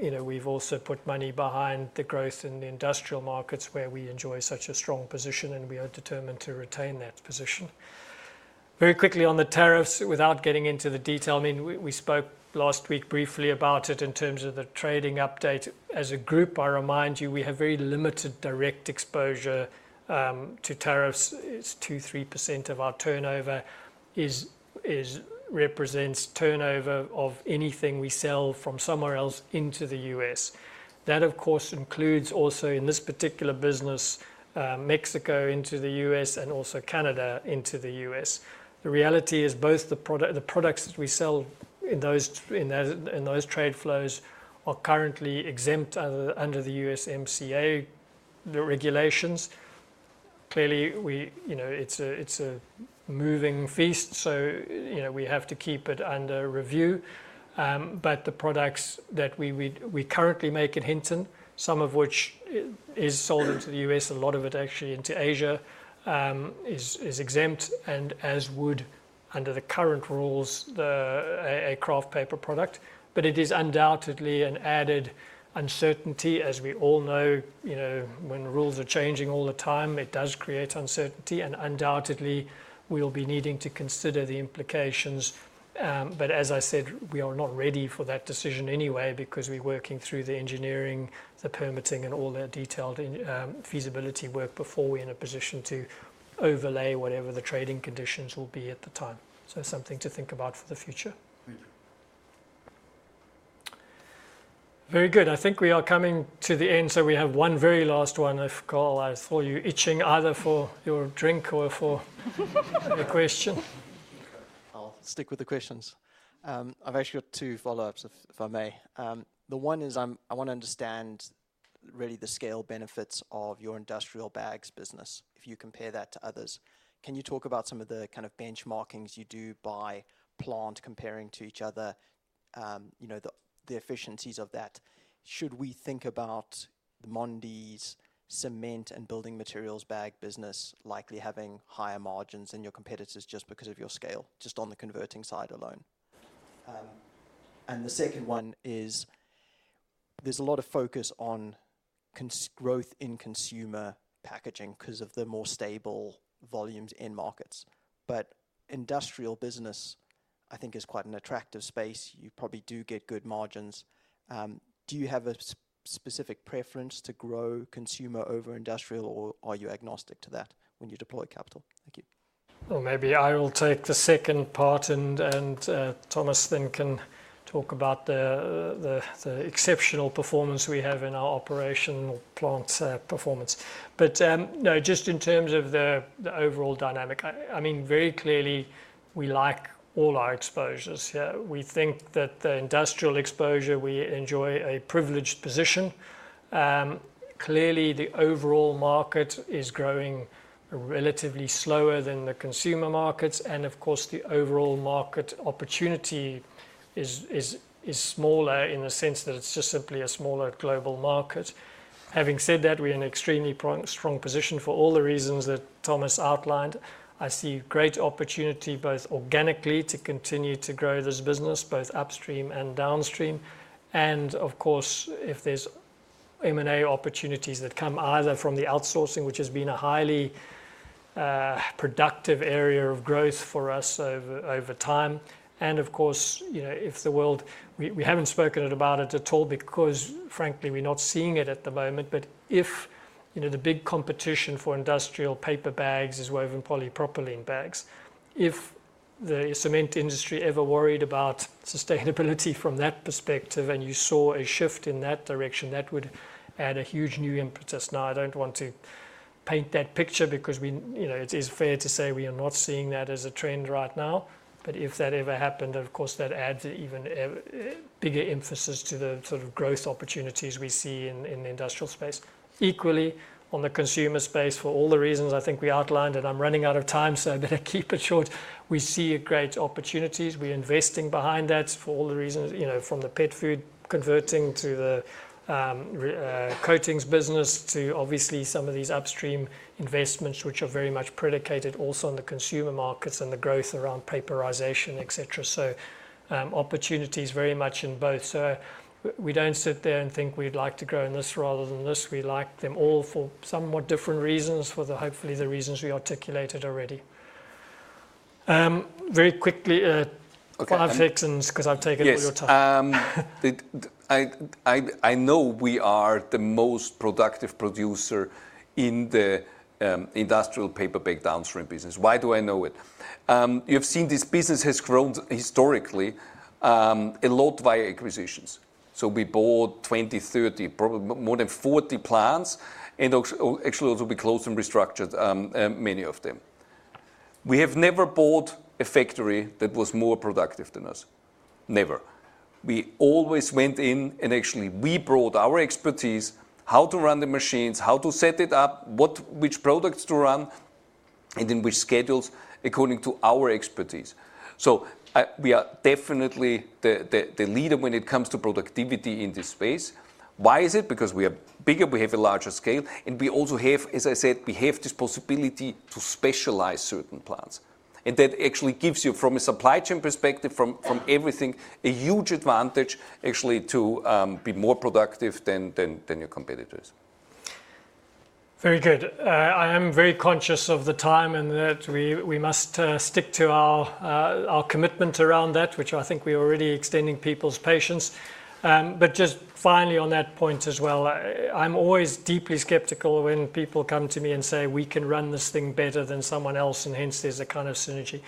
we've also put money behind the growth in the industrial markets where we enjoy such a strong position and we are determined to retain that position. Very quickly on the tariffs, without getting into the detail, I mean, we spoke last week briefly about it in terms of the trading update. As a group, I remind you, we have very limited direct exposure to tariffs. It's 2%-3% of our turnover represents turnover of anything we sell from somewhere else into the U.S. That, of course, includes also in this particular business, Mexico into the U.S. and also Canada into the U.S. The reality is both the products that we sell in those trade flows are currently exempt under the USMCA regulations. Clearly, it's a moving feast, so we have to keep it under review. The products that we currently make at Hinton, some of which is sold into the U.S., a lot of it actually into Asia, is exempt, and as would under the current rules, a kraft paper product. It is undoubtedly an added uncertainty. As we all know, when rules are changing all the time, it does create uncertainty. Undoubtedly, we'll be needing to consider the implications. As I said, we are not ready for that decision anyway because we're working through the engineering, the permitting, and all that detailed feasibility work before we're in a position to overlay whatever the trading conditions will be at the time. Something to think about for the future. Very good. I think we are coming to the end. We have one very last one. I thought you were itching either for your drink or for a question. I'll stick with the questions. I've actually got two follow-ups, if I may. The one is I want to understand really the scale benefits of your industrial bags business. If you compare that to others, can you talk about some of the kind of benchmarkings you do by plant comparing to each other, the efficiencies of that? Should we think about Mondi's cement and building materials bag business likely having higher margins than your competitors just because of your scale, just on the converting side alone? The second one is there's a lot of focus on growth in consumer packaging because of the more stable volumes in markets. Industrial business, I think, is quite an attractive space. You probably do get good margins. Do you have a specific preference to grow consumer over industrial, or are you agnostic to that when you deploy capital? Thank you. Maybe I will take the second part and Thomas then can talk about the exceptional performance we have in our operational plant performance. Just in terms of the overall dynamic, I mean, very clearly, we like all our exposures. We think that the industrial exposure, we enjoy a privileged position. Clearly, the overall market is growing relatively slower than the consumer markets. Of course, the overall market opportunity is smaller in the sense that it's just simply a smaller global market. Having said that, we're in an extremely strong position for all the reasons that Thomas outlined. I see great opportunity both organically to continue to grow this business, both upstream and downstream. Of course, if there's M&A opportunities that come either from the outsourcing, which has been a highly productive area of growth for us over time. Of course, if the world, we haven't spoken about it at all because frankly, we're not seeing it at the moment. If the big competition for industrial paper bags is woven polypropylene bags, if the cement industry ever worried about sustainability from that perspective and you saw a shift in that direction, that would add a huge new impetus. I don't want to paint that picture because it is fair to say we are not seeing that as a trend right now. If that ever happened, of course, that adds even bigger emphasis to the sort of growth opportunities we see in the industrial space. Equally, on the consumer space, for all the reasons I think we outlined, and I'm running out of time, so I better keep it short. We see great opportunities. We're investing behind that for all the reasons, from the pet food converting to the coatings business to obviously some of these upstream investments, which are very much predicated also on the consumer markets and the growth around paperization, et cetera. Opportunities very much in both. We do not sit there and think we'd like to grow in this rather than this. We like them all for somewhat different reasons, for hopefully the reasons we articulated already. Very quickly, five sections because I've taken all your time. Yes. I know we are the most productive producer in the industrial paper bag downstream business. Why do I know it? You have seen this business has grown historically a lot via acquisitions. We bought 20, 30, probably more than 40 plants, and actually also we closed and restructured many of them. We have never bought a factory that was more productive than us. Never. We always went in and actually we brought our expertise, how to run the machines, how to set it up, which products to run, and in which schedules according to our expertise. We are definitely the leader when it comes to productivity in this space. Why is it? Because we are bigger, we have a larger scale, and we also have, as I said, this possibility to specialize certain plants. That actually gives you, from a supply chain perspective, from everything, a huge advantage actually to be more productive than your competitors. Very good. I am very conscious of the time and that we must stick to our commitment around that, which I think we are already extending people's patience. Just finally on that point as well, I'm always deeply skeptical when people come to me and say, "We can run this thing better than someone else," and hence there's a kind of synergy.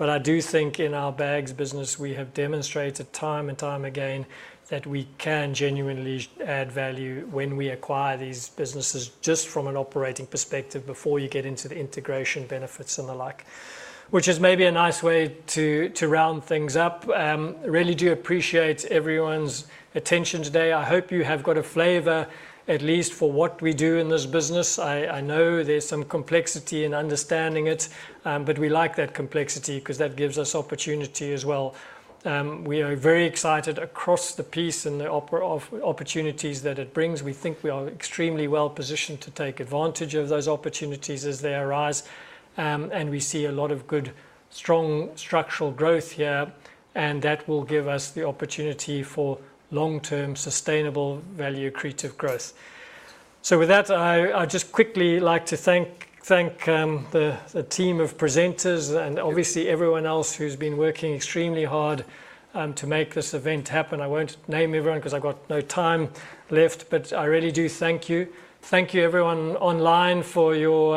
I do think in our bags business, we have demonstrated time and time again that we can genuinely add value when we acquire these businesses just from an operating perspective before you get into the integration benefits and the like, which is maybe a nice way to round things up. I really do appreciate everyone's attention today. I hope you have got a flavor at least for what we do in this business. I know there's some complexity in understanding it, but we like that complexity because that gives us opportunity as well. We are very excited across the piece and the opportunities that it brings. We think we are extremely well positioned to take advantage of those opportunities as they arise. We see a lot of good, strong structural growth here, and that will give us the opportunity for long-term sustainable value creative growth. With that, I just quickly like to thank the team of presenters and obviously everyone else who's been working extremely hard to make this event happen. I won't name everyone because I've got no time left, but I really do thank you. Thank you everyone online for your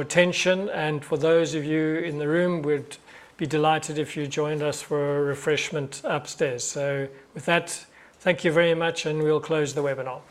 attention. For those of you in the room, we'd be delighted if you joined us for a refreshment upstairs. Thank you very much, and we'll close the webinar.